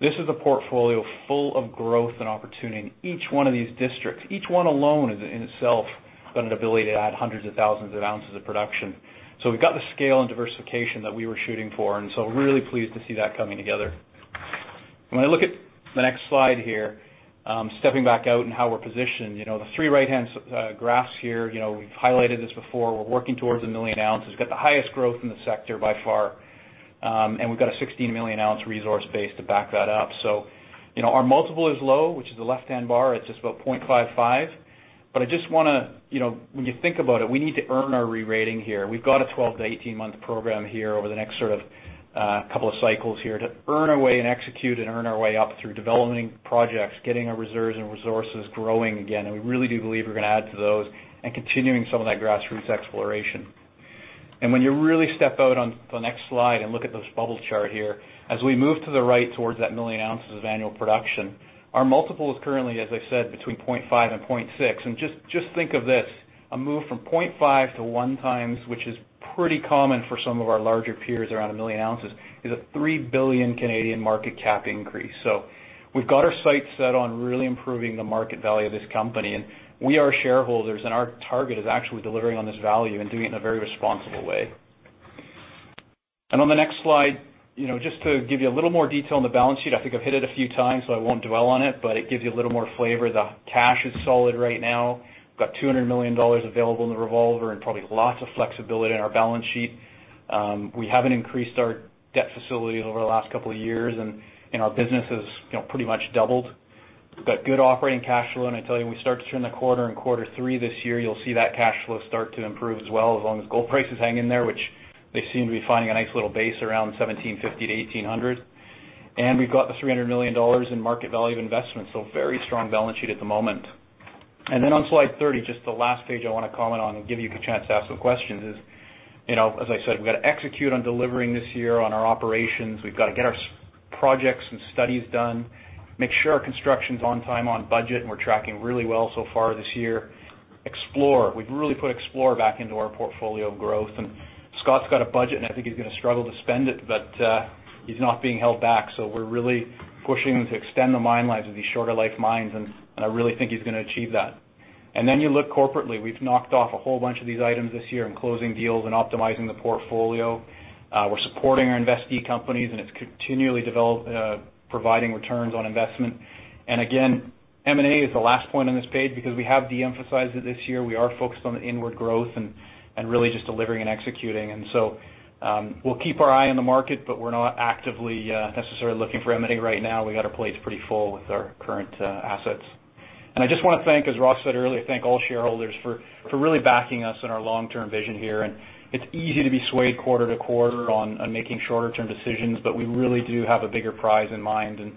This is a portfolio full of growth and opportunity in each one of these districts. Each one alone is in itself got an ability to add hundreds of thousands of ounces of production. We've got the scale and diversification that we were shooting for, really pleased to see that coming together. When I look at the next slide here, stepping back out and how we're positioned, the three right-hand graphs here, we've highlighted this before. We're working towards a million ounces. We've got the highest growth in the sector by far, and we've got a 16-million-ounce resource base to back that up. Our multiple is low, which is the left-hand bar. When you think about it, we need to earn our re-rating here. We've got a 12- to 18-month program here over the next couple of cycles here to earn our way and execute and earn our way up through developing projects, getting our reserves and resources growing again, and we really do believe we're going to add to those and continuing some of that grassroots exploration. When you really step out on the next slide and look at this bubble chart here, as we move to the right towards that million ounces of annual production, our multiple is currently, as I said, between 0.5 and 0.6. Just think of this, a move from 0.5 to one times, which is pretty common for some of our larger peers around a million ounces, is a 3 billion Canadian dollars market cap increase. We've got our sights set on really improving the market value of this company. We are shareholders, and our target is actually delivering on this value and doing it in a very responsible way. On the next slide, just to give you a little more detail on the balance sheet, I think I've hit it a few times, so I won't dwell on it, but it gives you a little more flavor. The cash is solid right now. We've got $200 million available in the revolver and probably lots of flexibility in our balance sheet. We haven't increased our debt facilities over the last couple of years, and our business has pretty much doubled. We've got good operating cash flow, I tell you, when we start to turn the corner in Q3 this year, you'll see that cash flow start to improve as well, as long as gold prices hang in there, which they seem to be finding a nice little base around $1,750-$1,800. We've got the $300 million in market value of investment, so very strong balance sheet at the moment. On slide 30, just the last page I want to comment on and give you the chance to ask some questions is, as I said, we've got to execute on delivering this year on our operations. We've got to get our projects and studies done, make sure our construction's on time, on budget, and we're tracking really well so far this year. Explore. We've really put explore back into our portfolio growth. Scott's got a budget, and I think he's going to struggle to spend it, but he's not being held back. We're really pushing to extend the mine lives of these shorter life mines, and I really think he's going to achieve that. You look corporately, we've knocked off a whole bunch of these items this year in closing deals and optimizing the portfolio. We're supporting our investee companies, and it's continually providing returns on investment. Again, M&A is the last point on this page because we have de-emphasized it this year. We are focused on the inward growth and really just delivering and executing. We'll keep our eye on the market, but we're not actively necessarily looking for M&A right now. We got our plates pretty full with our current assets. I just want to thank, as Ross said earlier, thank all shareholders for really backing us in our long-term vision here. It's easy to be swayed quarter to quarter on making shorter-term decisions, but we really do have a bigger prize in mind, and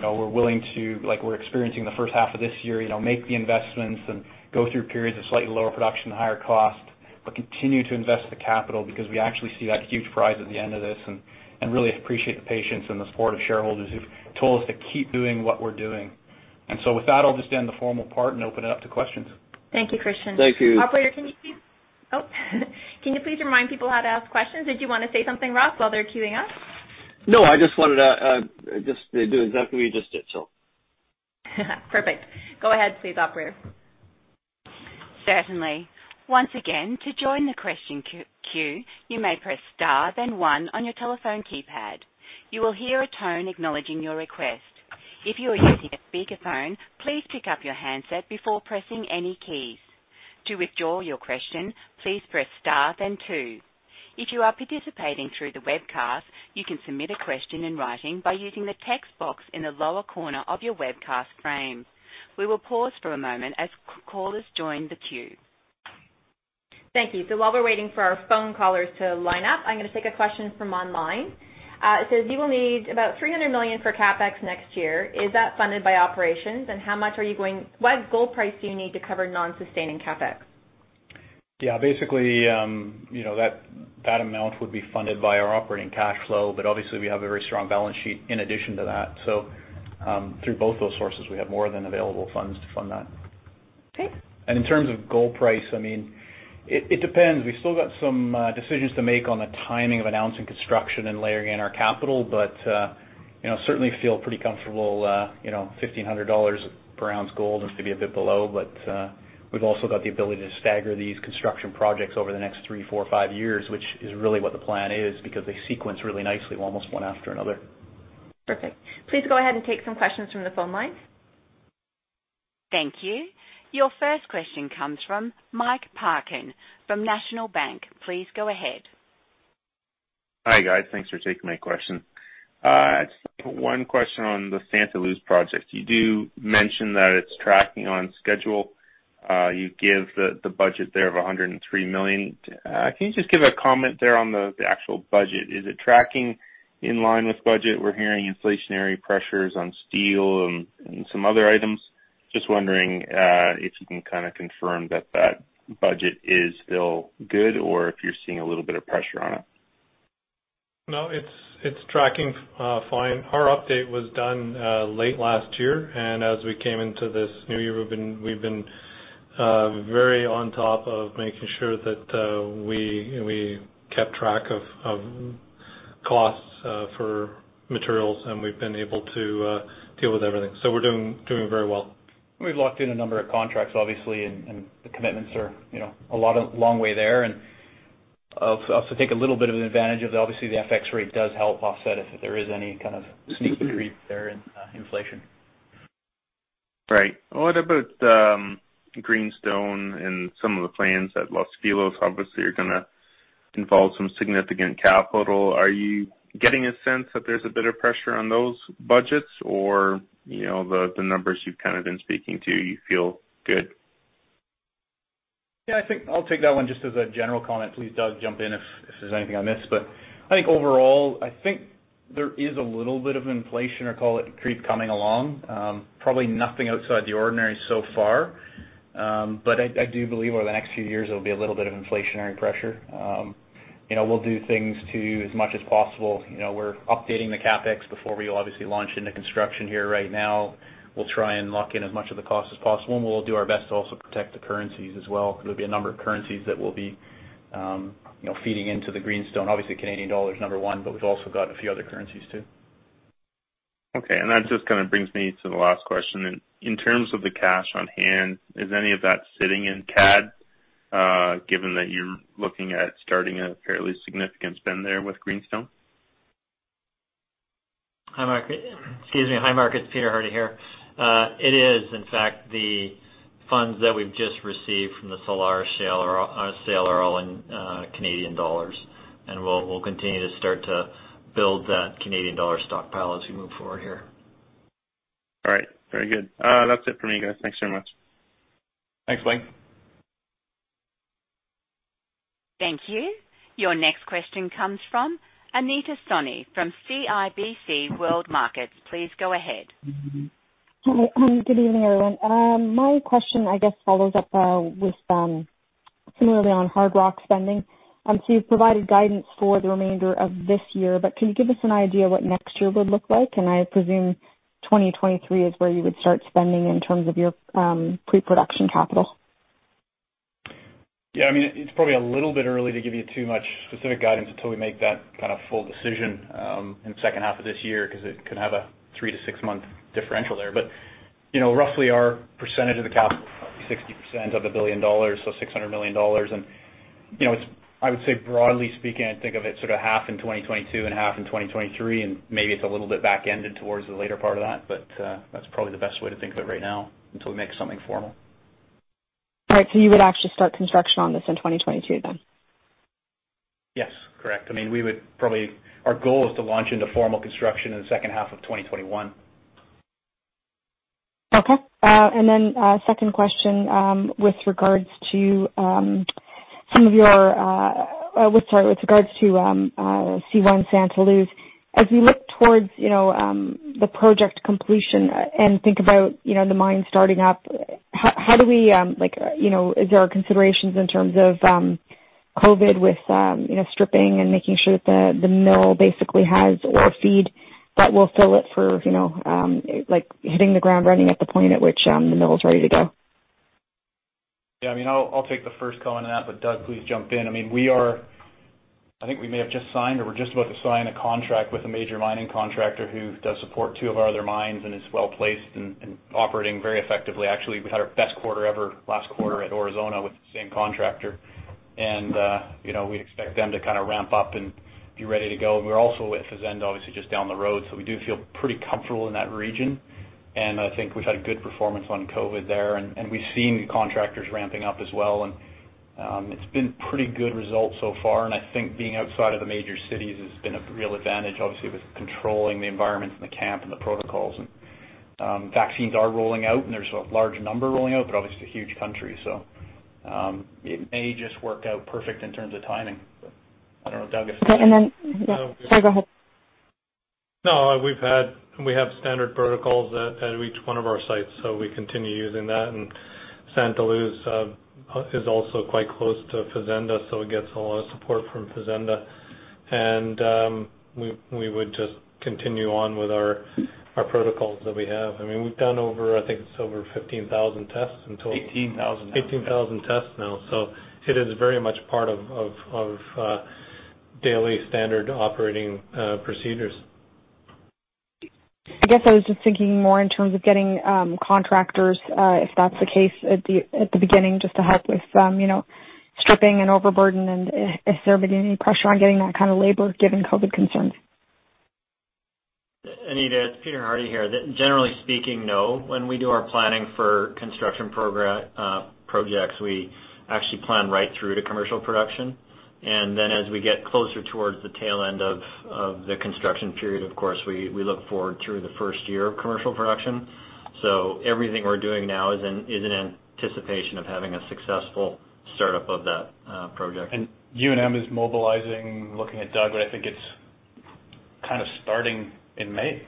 we're willing to, like we're experiencing the first half of this year, make the investments and go through periods of slightly lower production and higher cost, but continue to invest the capital because we actually see that huge prize at the end of this and really appreciate the patience and the support of shareholders who've told us to keep doing what we're doing. With that, I'll just end the formal part and open it up to questions. Thank you, Christian. Thank you. Operator, can you please remind people how to ask questions? Did you want to say something, Ross, while they're queuing up? No, I just wanted to do exactly what you just did. Perfect. Go ahead please, operator. Certainly. Once again, to join the question queue, you may press star then one on your telephone keypad. You will hear a tone acknowledging your request. If you are using a speakerphone, please pick up your handset before pressing any keys. To withdraw your question, please press star then two. If you are participating through the webcast, you can submit a question in writing by using the text box in the lower corner of your webcast frame. We will pause for a moment as callers join the queue. Thank you. While we're waiting for our phone callers to line up, I'm going to take a question from online. It says, "You will need about $300 million for CapEx next year. Is that funded by operations, and what gold price do you need to cover non-sustaining CapEx? Basically, that amount would be funded by our operating cash flow. Obviously, we have a very strong balance sheet in addition to that. Through both those sources, we have more than available funds to fund that. Okay. In terms of gold price, it depends. We've still got some decisions to make on the timing of announcing construction and layering in our capital. Certainly feel pretty comfortable $1,500 per ounce gold or maybe a bit below. We've also got the ability to stagger these construction projects over the next three, four, five years, which is really what the plan is because they sequence really nicely, almost one after another. Perfect. Please go ahead and take some questions from the phone lines. Thank you. Your first question comes from Mike Parkin from National Bank. Please go ahead. Hi, guys. Thanks for taking my question. Just one question on the Santa Luz project. You do mention that it's tracking on schedule. You give the budget there of $103 million. Can you just give a comment there on the actual budget? Is it tracking in line with budget? We're hearing inflationary pressures on steel and some other items. Just wondering, if you can confirm that that budget is still good or if you're seeing a little bit of pressure on it. No, it's tracking fine. Our update was done late last year, and as we came into this new year, we've been very on top of making sure that we kept track of costs for materials, and we've been able to deal with everything. We're doing very well. We've locked in a number of contracts, obviously, and the commitments are a long way there. Also take a little bit of an advantage of, obviously, the FX rate does help offset if there is any kind of sneak and creep there in inflation. Right. What about Greenstone and some of the plans at Los Filos obviously are going to involve some significant capital? Are you getting a sense that there's a bit of pressure on those budgets or the numbers you've been speaking to you feel good? Yeah, I think I'll take that one just as a general comment. Please, Doug, jump in if there's anything I missed. I think overall, I think there is a little bit of inflation or call it creep coming along. Probably nothing outside the ordinary so far. I do believe over the next few years, there'll be a little bit of inflationary pressure. We'll do things to as much as possible. We're updating the CapEx before we obviously launch into construction here right now. We'll try and lock in as much of the cost as possible, and we'll do our best to also protect the currencies as well. There'll be a number of currencies that we'll be feeding into the Greenstone, obviously Canadian dollar is number 1, but we've also got a few other currencies too. Okay. That just brings me to the last question. In terms of the cash on hand, is any of that sitting in CAD, given that you're looking at starting a fairly significant spend there with Greenstone? Hi, Mike. Excuse me. Hi, Mike, it's Peter Hardie here. It is, in fact, the funds that we've just received from the Solaris sale are all in Canadian dollars. We'll continue to start to build that Canadian dollar stockpile as we move forward here. All right. Very good. That's it for me, guys. Thanks very much. Thanks, Mike. Thank you. Your next question comes from Anita Soni from CIBC World Markets. Please go ahead. Good evening, everyone. My question, I guess, follows up with similarly on Hardrock spending. You've provided guidance for the remainder of this year, but can you give us an idea what next year would look like? I presume 2023 is where you would start spending in terms of your pre-production capital. Yeah, it's probably a little bit early to give you too much specific guidance until we make that kind of full decision in the second half of this year because it could have a 3-6 month differential there. Roughly our percentage of the capital, 60% of $1 billion, so $600 million. I would say, broadly speaking, I think of it sort of half in 2022 and half in 2023, and maybe it's a little bit back ended towards the later part of that, but that's probably the best way to think of it right now until we make something formal. All right. You would actually start construction on this in 2022 then? Yes, correct. Our goal is to launch into formal construction in the second half of 2021. Okay. Second question, with regards to C1 Santa Luz, as we look towards the project completion and think about the mine starting up, is there considerations in terms of COVID with stripping and making sure that the mill basically has ore feed that will fill it for hitting the ground running at the point at which the mill's ready to go? Yeah. I'll take the first cut on that, Doug, please jump in. I think we may have just signed, or we're just about to sign a contract with a major mining contractor who does support two of our other mines and is well-placed and operating very effectively. Actually, we've had our best quarter ever last quarter at Aurizona with the same contractor. We expect them to ramp up and be ready to go. We're also at Fazenda, obviously, just down the road, we do feel pretty comfortable in that region. I think we've had good performance on COVID there, and we've seen contractors ramping up as well, and it's been pretty good results so far. I think being outside of the major cities has been a real advantage, obviously, with controlling the environments in the camp and the protocols. Vaccines are rolling out, and there's a large number rolling out, but obviously, a huge country, so it may just work out perfect in terms of timing. I don't know, Doug, if- Okay. Yeah. Sorry, go ahead. No. We have standard protocols at each one of our sites, so we continue using that. Santa Luz is also quite close to Fazenda, so it gets a lot of support from Fazenda. We would just continue on with our protocols that we have. We've done over, I think, it's over 15,000 tests. 18,000 now. 18,000 tests now. It is very much part of daily standard operating procedures. I guess I was just thinking more in terms of getting contractors, if that's the case at the beginning, just to help with stripping and overburden. Has there been any pressure on getting that kind of labor, given COVID concerns? Anita, it's Peter Hardie here. Generally speaking, no. When we do our planning for construction projects, we actually plan right through to commercial production. Then as we get closer towards the tail end of the construction period, of course, we look forward through the first year of commercial production. Everything we're doing now is in anticipation of having a successful startup of that project. U&M is mobilizing, looking at Doug, but I think it's kind of starting in May.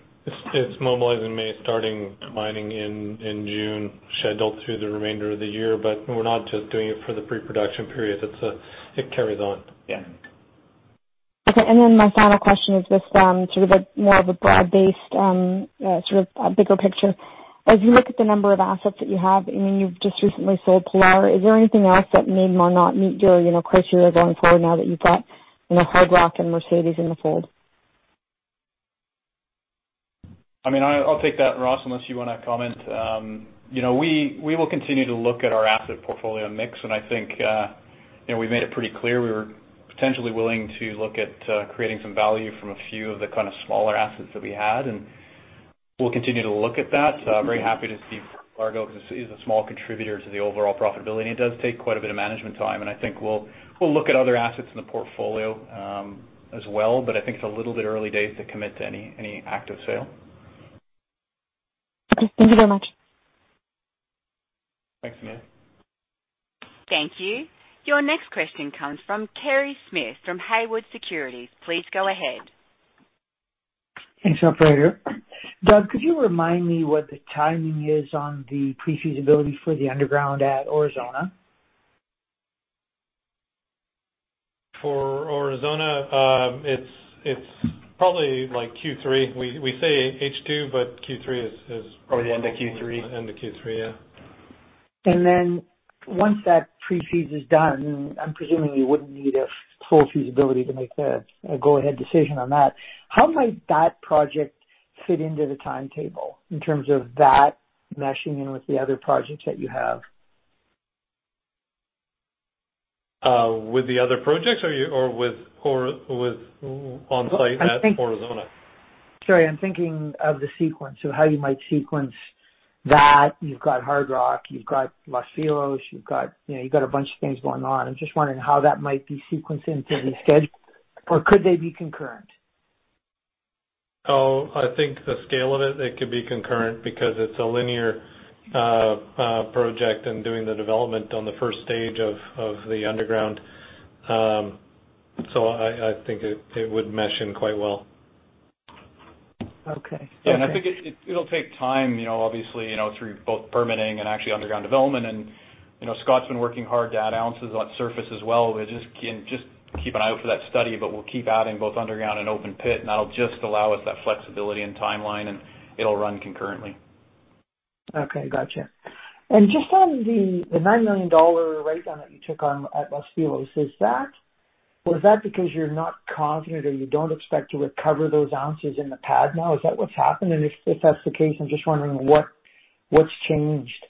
It's mobilizing in May, starting mining in June, scheduled through the remainder of the year. We're not just doing it for the pre-production period. It carries on. Yeah. Okay, my final question is just sort of more of a broad-based bigger picture. As you look at the number of assets that you have, you've just recently sold Pilar, is there anything else that may or may not meet your criteria going forward now that you've got Hardrock and Mercedes in the fold? I'll take that, Ross, unless you want to comment. We will continue to look at our asset portfolio mix. I think we've made it pretty clear we were potentially willing to look at creating some value from a few of the kind of smaller assets that we had, and we'll continue to look at that. I'm very happy to see Pilar because it is a small contributor to the overall profitability, and it does take quite a bit of management time, and I think we'll look at other assets in the portfolio as well. I think it's a little bit early days to commit to any active sale. Okay. Thank you very much. Thanks, Anita. Thank you. Your next question comes from Kerry Smith from Haywood Securities. Please go ahead. Thanks, operator. Doug, could you remind me what the timing is on the pre-feasibility for the underground at Aurizona? For Aurizona, it's probably Q3. We say H2, but Q3 is. Probably end of Q3. End of Q3, yeah. Once that pre-feas is done, I'm presuming you wouldn't need a full feasibility to make the go-ahead decision on that. How might that project fit into the timetable in terms of that meshing in with the other projects that you have? With the other projects or on site at Aurizona? Sorry, I'm thinking of the sequence. How you might sequence that. You've got Hardrock. You've got Los Filos. You've got a bunch of things going on. I'm just wondering how that might be sequenced into the schedule or could they be concurrent? I think the scale of it could be concurrent because it's a linear project and doing the development on the stage 1 of the underground. I think it would mesh in quite well. Okay. Yeah, I think it'll take time, obviously, through both permitting and actually underground development. Scott's been working hard to add ounces on surface as well. Just keep an eye out for that study, we'll keep adding both underground and open pit, that'll just allow us that flexibility and timeline, it'll run concurrently. Okay, got you. Just on the $9 million write-down that you took on at Los Filos, was that because you're not confident or you don't expect to recover those ounces in the pad now? Is that what's happened? If that's the case, I'm just wondering what's changed.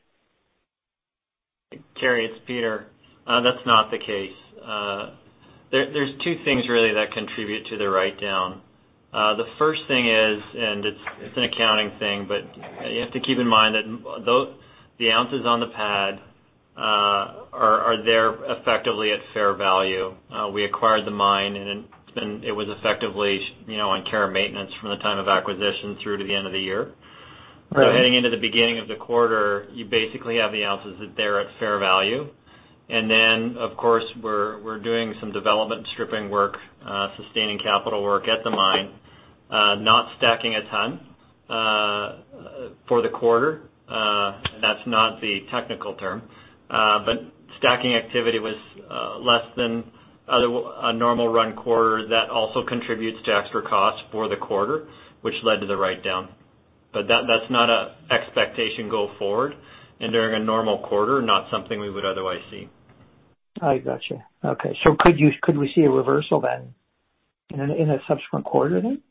Kerry, it's Peter. That's not the case. There's two things really that contribute to the write-down. The first thing is, and it's an accounting thing, but you have to keep in mind that the ounces on the pad are there effectively at fair value. We acquired the mine, and it was effectively on care and maintenance from the time of acquisition through to the end of the year. Right. Heading into the beginning of the quarter, you basically have the ounces that they're at fair value. Then, of course, we're doing some development stripping work, sustaining capital work at the mine. Not stacking a ton for the quarter. That's not the technical term. Stacking activity was less than a normal run quarter that also contributes to extra costs for the quarter, which led to the write-down. That's not an expectation go forward and during a normal quarter, not something we would otherwise see. I got you. Okay, could we see a reversal then in a subsequent quarter then?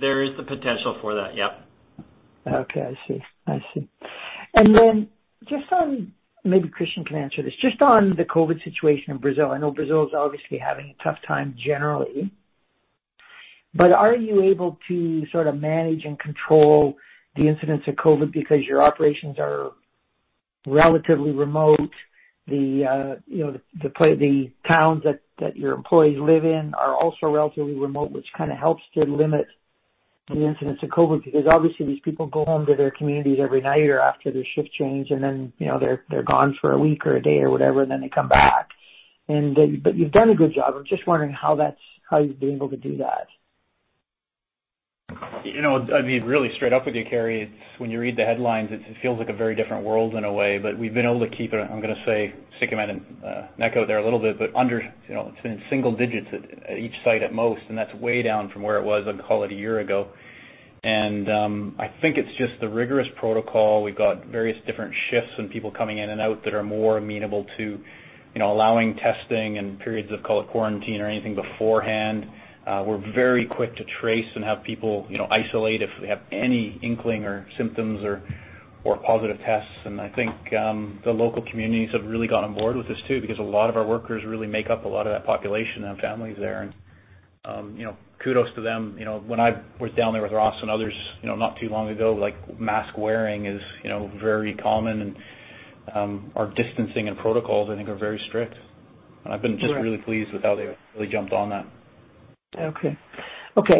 There is the potential for that, yep. Okay. I see. Just on, maybe Christian can answer this, just on the COVID situation in Brazil. I know Brazil is obviously having a tough time generally, but are you able to sort of manage and control the incidents of COVID because your operations are relatively remote, the towns that your employees live in are also relatively remote, which kind of helps to limit the incidents of COVID, because obviously these people go home to their communities every night or after their shift change, and then they're gone for a week or a day or whatever, and then they come back. You've done a good job. I'm just wondering how you've been able to do that. I'll be really straight up with you, Kerry. When you read the headlines, it feels like a very different world in a way. We've been able to keep it, I'm going to say, a little bit, but it's been single digits at each site at most, and that's way down from where it was, I'd call it a year ago. I think it's just the rigorous protocol. We've got various different shifts and people coming in and out that are more amenable to allowing testing and periods of call it quarantine or anything beforehand. We're very quick to trace and have people isolate if we have any inkling or symptoms or positive tests. I think the local communities have really got on board with this too, because a lot of our workers really make up a lot of that population, have families there and kudos to them. When I was down there with Ross and others not too long ago, mask-wearing is very common, and our distancing and protocols, I think, are very strict. Sure. I've been just really pleased with how they really jumped on that. Okay.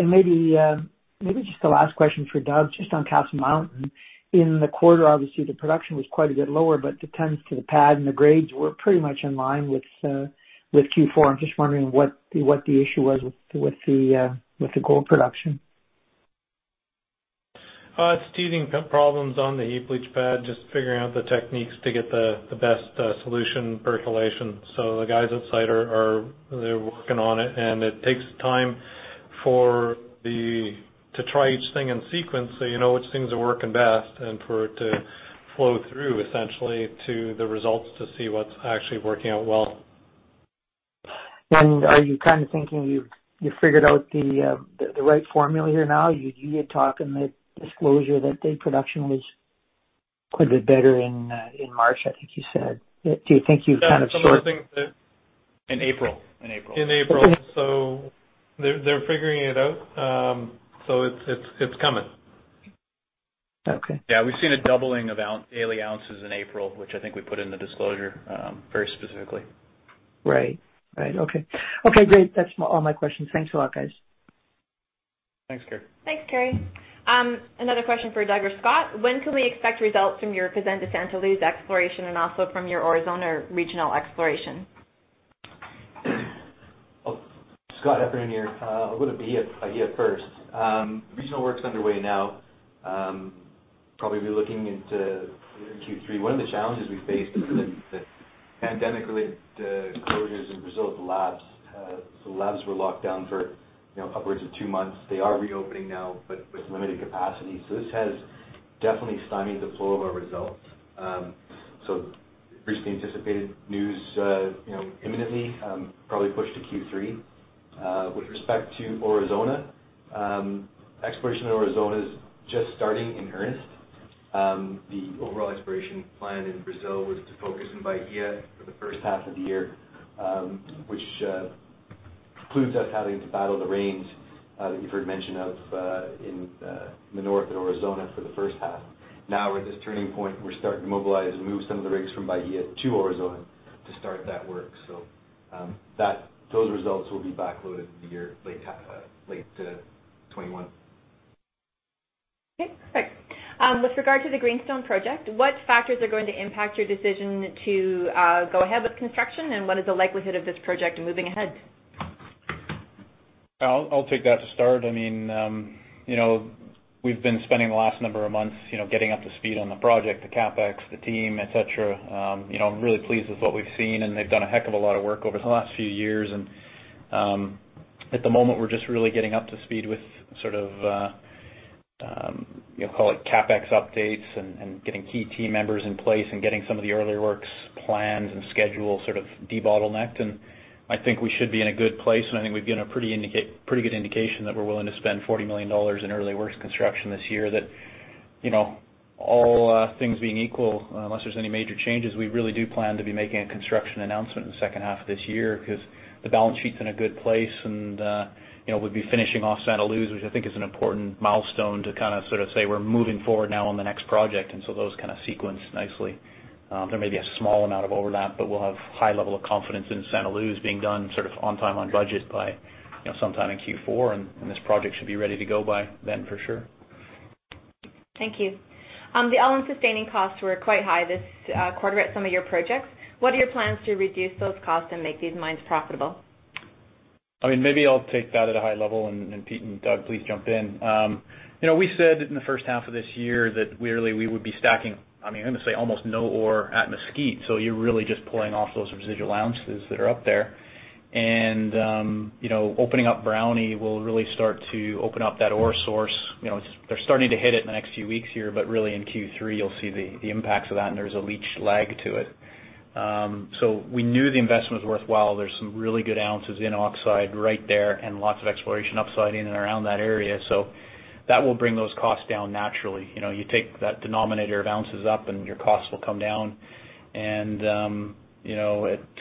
Maybe just the last question for Doug, just on Castle Mountain. In the quarter, obviously, the production was quite a bit lower, but the tons to the pad and the grades were pretty much in line with Q4. I am just wondering what the issue was with the gold production. It's teething problems on the heap leach pad, just figuring out the techniques to get the best solution percolation. The guys on site are working on it, and it takes time to try each thing in sequence so you know which things are working best and for it to flow through, essentially, to the results to see what's actually working out well. Are you kind of thinking you've figured out the right formula here now? You did talk in the disclosure that day production was quite a bit better in March, I think you said. That's one of the things that- In April. In April. They're figuring it out. It's coming. Okay. Yeah, we've seen a doubling of daily ounces in April, which I think we put in the disclosure very specifically. Right. Okay. Great. That's all my questions. Thanks a lot, guys. Thanks, Kerry. Thanks, Kerry. Another question for Doug or Scott. When can we expect results from your Casa de Santa Luz exploration and also from your Aurizona regional exploration? Scott Heffernan here. I'll go to Bahia first. Regional work's underway now. Probably be looking into Q3. One of the challenges we faced is the pandemic-related closures in Brazil at the labs. Labs were locked down for upwards of two months. They are reopening now, but with limited capacity. This has definitely stymied the flow of our results. Briefly anticipated news imminently, probably pushed to Q3. With respect to Aurizona, exploration in Aurizona is just starting in earnest. The overall exploration plan in Brazil was to focus in Bahia for the first half of the year, which includes us having to battle the rains, that you've heard mention of, in the north at Aurizona for the first half. Now we're at this turning point. We're starting to mobilize and move some of the rigs from Bahia to Aurizona to start that work. Those results will be backloaded into year late to 2021. Okay, perfect. With regard to the Greenstone project, what factors are going to impact your decision to go ahead with construction, and what is the likelihood of this project moving ahead? I'll take that to start. We've been spending the last number of months getting up to speed on the project, the CapEx, the team, et cetera. I'm really pleased with what we've seen, and they've done a heck of a lot of work over the last few years. At the moment, we're just really getting up to speed with sort of, call it CapEx updates and getting key team members in place and getting some of the early works planned and scheduled, sort of debottlenecked. I think we should be in a good place, and I think we've given a pretty good indication that we're willing to spend $40 million in early works construction this year that all things being equal, unless there's any major changes, we really do plan to be making a construction announcement in the second half of this year because the balance sheet's in a good place and we'd be finishing off Santa Luz, which I think is an important milestone to kind of, sort of say we're moving forward now on the next project. Those kind of sequence nicely. There may be a small amount of overlap, but we'll have high level of confidence in Santa Luz being done sort of on time, on budget by sometime in Q4, and this project should be ready to go by then for sure. Thank you. The all-in sustaining costs were quite high this quarter at some of your projects. What are your plans to reduce those costs and make these mines profitable? Maybe I'll take that at a high level. Peter and Doug, please jump in. We said in the first half of this year that really we would be stacking, I'm going to say almost no ore at Mesquite. You're really just pulling off those residual ounces that are up there. Opening up Brownie will really start to open up that ore source. They're starting to hit it in the next few weeks here, but really in Q3 you'll see the impacts of that, and there's a leach lag to it. We knew the investment was worthwhile. There's some really good ounces in oxide right there and lots of exploration upside in and around that area. That will bring those costs down naturally. You take that denominator of ounces up, your costs will come down. At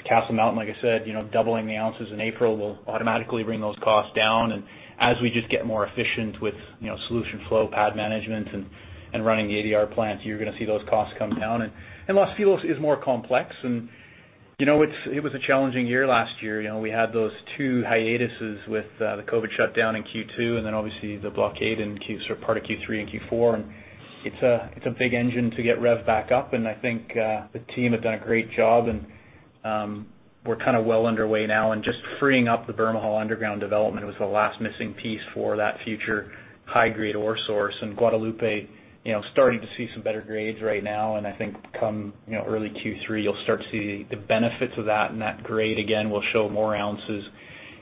Castle Mountain, like I said, doubling the ounces in April will automatically bring those costs down. As we just get more efficient with solution flow, pad management, and running the ADR plants, you're going to see those costs come down. Los Filos is more complex, and it was a challenging year last year. We had those two hiatuses with the COVID shutdown in Q2, and then obviously the blockade in part of Q3 and Q4. It's a big engine to get revved back up, and I think the team have done a great job, and we're well underway now. Just freeing up the Bermejal underground development was the last missing piece for that future high-grade ore source. Guadalupe, starting to see some better grades right now, and I think come early Q3, you'll start to see the benefits of that, and that grade, again, will show more ounces.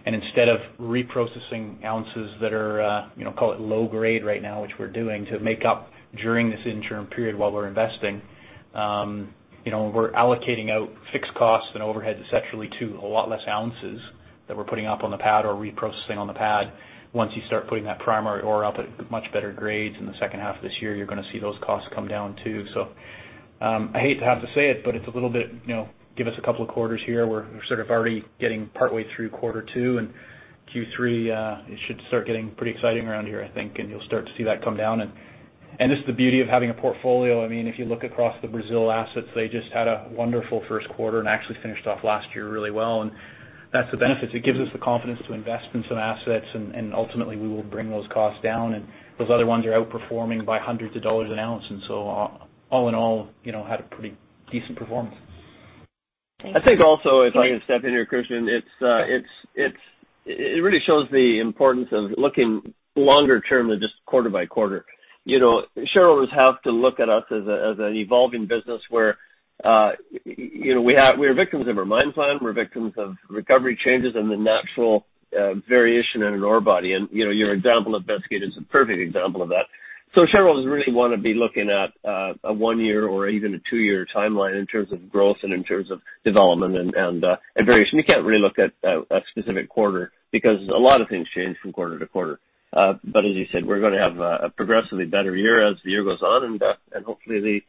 Instead of reprocessing ounces that are, call it low grade right now, which we're doing to make up during this interim period while we're investing, we're allocating out fixed costs and overheads essentially to a lot less ounces that we're putting up on the pad or reprocessing on the pad. Once you start putting that primary ore up at much better grades in the second half of this year, you're going to see those costs come down, too. I hate to have to say it, but it's a little bit give us a couple of quarters here. We're sort of already getting partway through quarter two, and Q3, it should start getting pretty exciting around here, I think, and you'll start to see that come down. This is the beauty of having a portfolio. If you look across the Brazil assets, they just had a wonderful first quarter and actually finished off last year really well. That's the benefit. It gives us the confidence to invest in some assets, and ultimately, we will bring those costs down. Those other ones are outperforming by hundreds of dollars an ounce. All in all, had a pretty decent performance. Thank you. I think also, if I can step in here, Christian, it really shows the importance of looking longer term than just quarter by quarter. Shareholders have to look at us as an evolving business where we're victims of our mine plan, we're victims of recovery changes, and the natural variation in an ore body. Your example of Mesquite is a perfect example of that. Shareholders really want to be looking at a 1-year or even a 2-year timeline in terms of growth and in terms of development and variation. You can't really look at a specific quarter because a lot of things change from quarter to quarter. As you said, we're going to have a progressively better year as the year goes on, and hopefully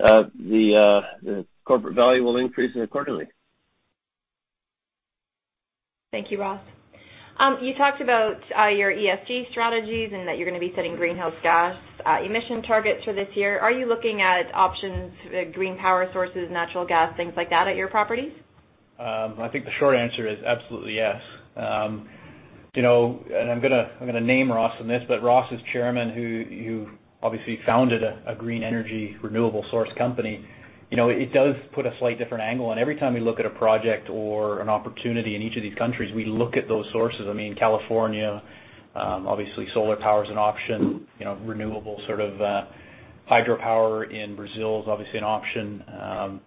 the corporate value will increase accordingly. Thank you, Ross. You talked about your ESG strategies and that you're going to be setting greenhouse gas emission targets for this year. Are you looking at options, green power sources, natural gas, things like that at your properties? I think the short answer is absolutely yes. I'm going to name Ross in this, but Ross is Chairman who obviously founded a green energy renewable source company. It does put a slight different angle on every time we look at a project or an opportunity in each of these countries, we look at those sources. In California obviously solar power is an option, renewable sort of hydropower in Brazil is obviously an option.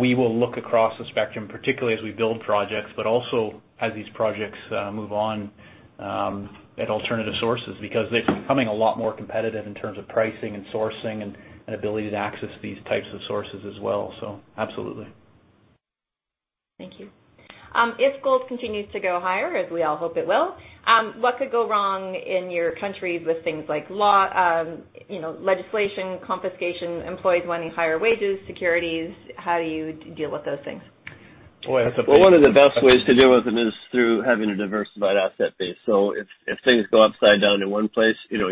We will look across the spectrum, particularly as we build projects, but also as these projects move on at alternative sources, because they're becoming a lot more competitive in terms of pricing and sourcing and ability to access these types of sources as well. Absolutely. Thank you. If gold continues to go higher, as we all hope it will, what could go wrong in your countries with things like legislation, confiscation, employees wanting higher wages, securities? How do you deal with those things? Boy, that's a big one. Well, one of the best ways to deal with them is through having a diversified asset base. If things go upside down in one place, it's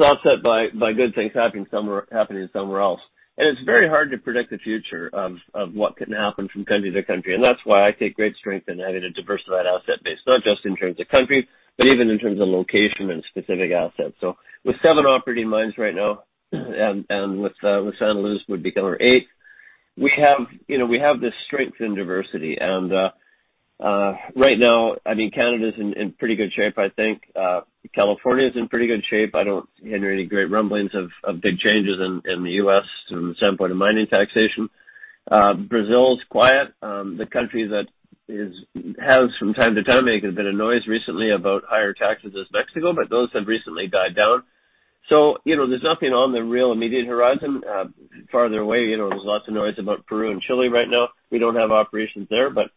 offset by good things happening somewhere else. It's very hard to predict the future of what can happen from country to country, that's why I take great strength in having a diversified asset base, not just in terms of country, but even in terms of location and specific assets. With seven operating mines right now, and with Santa Luz would become our eighth, we have this strength in diversity. Right now, Canada's in pretty good shape, I think. California's in pretty good shape. I don't hear any great rumblings of big changes in the U.S. from the standpoint of mining taxation. Brazil's quiet. The country that has from time to time making a bit of noise recently about higher taxes is Mexico, but those have recently died down. There's nothing on the real immediate horizon. Farther away, there's lots of noise about Peru and Chile right now. We don't have operations there, but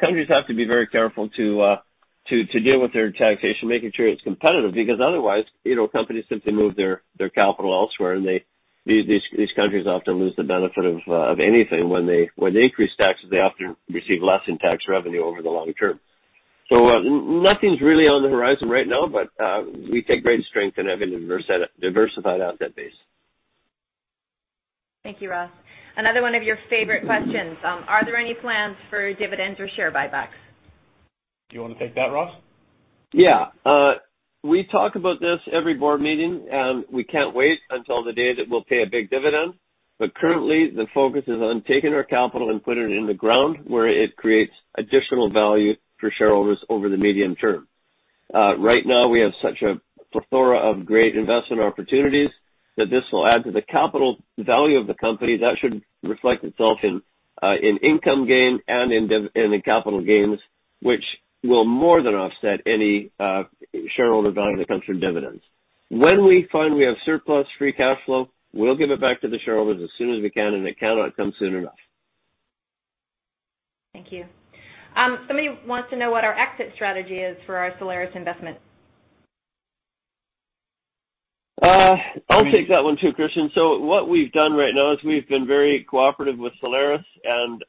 countries have to be very careful to deal with their taxation, making sure it's competitive, because otherwise, companies simply move their capital elsewhere, and these countries often lose the benefit of anything. When they increase taxes, they often receive less in tax revenue over the long term. Nothing's really on the horizon right now, but we take great strength in having a diversified asset base. Thank you, Ross. Another one of your favorite questions. Are there any plans for dividends or share buybacks? Do you want to take that, Ross? Yeah. We talk about this every board meeting. We can't wait until the day that we'll pay a big dividend. Currently, the focus is on taking our capital and putting it in the ground where it creates additional value for shareholders over the medium term. Right now, we have such a plethora of great investment opportunities that this will add to the capital value of the company that should reflect itself in income gain and in capital gains, which will more than offset any shareholder value that comes from dividends. When we find we have surplus free cash flow, we'll give it back to the shareholders as soon as we can. It cannot come soon enough. Thank you. Somebody wants to know what our exit strategy is for our Solaris investment. I'll take that one too, Christian. What we've done right now is we've been very cooperative with Solaris and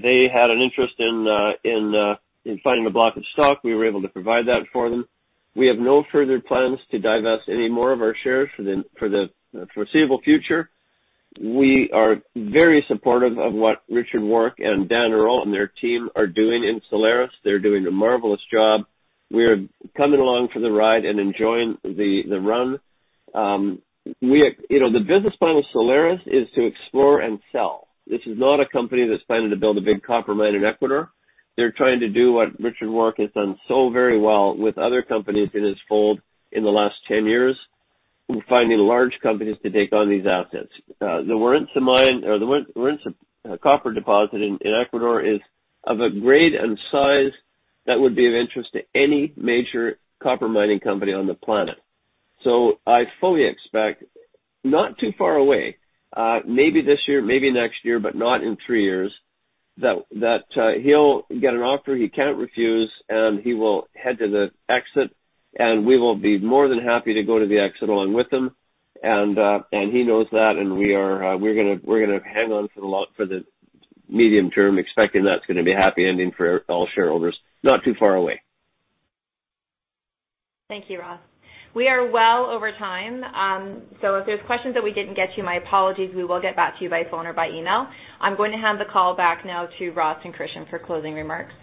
they had an interest in finding a block of stock. We were able to provide that for them. We have no further plans to divest any more of our shares for the foreseeable future. We are very supportive of what Richard Warke and Daniel Earle and their team are doing in Solaris. They're doing a marvelous job. We're coming along for the ride and enjoying the run. The business plan with Solaris is to explore and sell. This is not a company that's planning to build a big copper mine in Ecuador. They're trying to do what Richard Warke has done so very well with other companies in his fold in the last 10 years, finding large companies to take on these assets. The Warintza copper deposit in Ecuador is of a grade and size that would be of interest to any major copper mining company on the planet. I fully expect not too far away, maybe this year, maybe next year, but not in three years, that he'll get an offer he can't refuse, and he will head to the exit, and we will be more than happy to go to the exit along with him. He knows that, and we're going to hang on for the medium term, expecting that's going to be a happy ending for all shareholders, not too far away. Thank you, Ross. We are well over time. If there's questions that we didn't get to, my apologies. We will get back to you by phone or by email. I'm going to hand the call back now to Ross and Christian for closing remarks.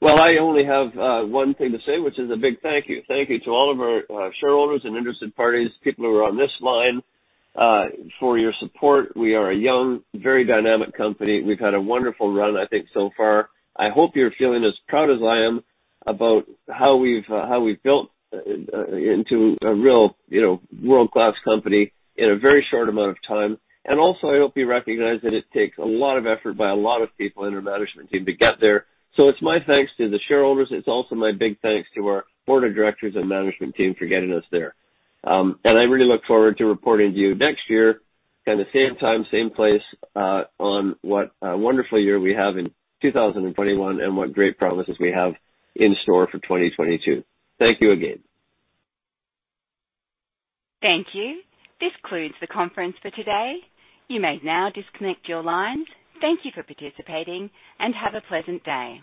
Well, I only have one thing to say, which is a big thank you. Thank you to all of our shareholders and interested parties, people who are on this line, for your support. We are a young, very dynamic company. We've had a wonderful run, I think, so far. I hope you're feeling as proud as I am about how we've built into a real world-class company in a very short amount of time. Also, I hope you recognize that it takes a lot of effort by a lot of people in our management team to get there. It's my thanks to the shareholders. It's also my big thanks to our board of directors and management team for getting us there. I really look forward to reporting to you next year at the same time, same place, on what a wonderful year we have in 2021 and what great promises we have in store for 2022. Thank you again. Thank you. This concludes the conference for today. You may now disconnect your lines. Thank you for participating, and have a pleasant day.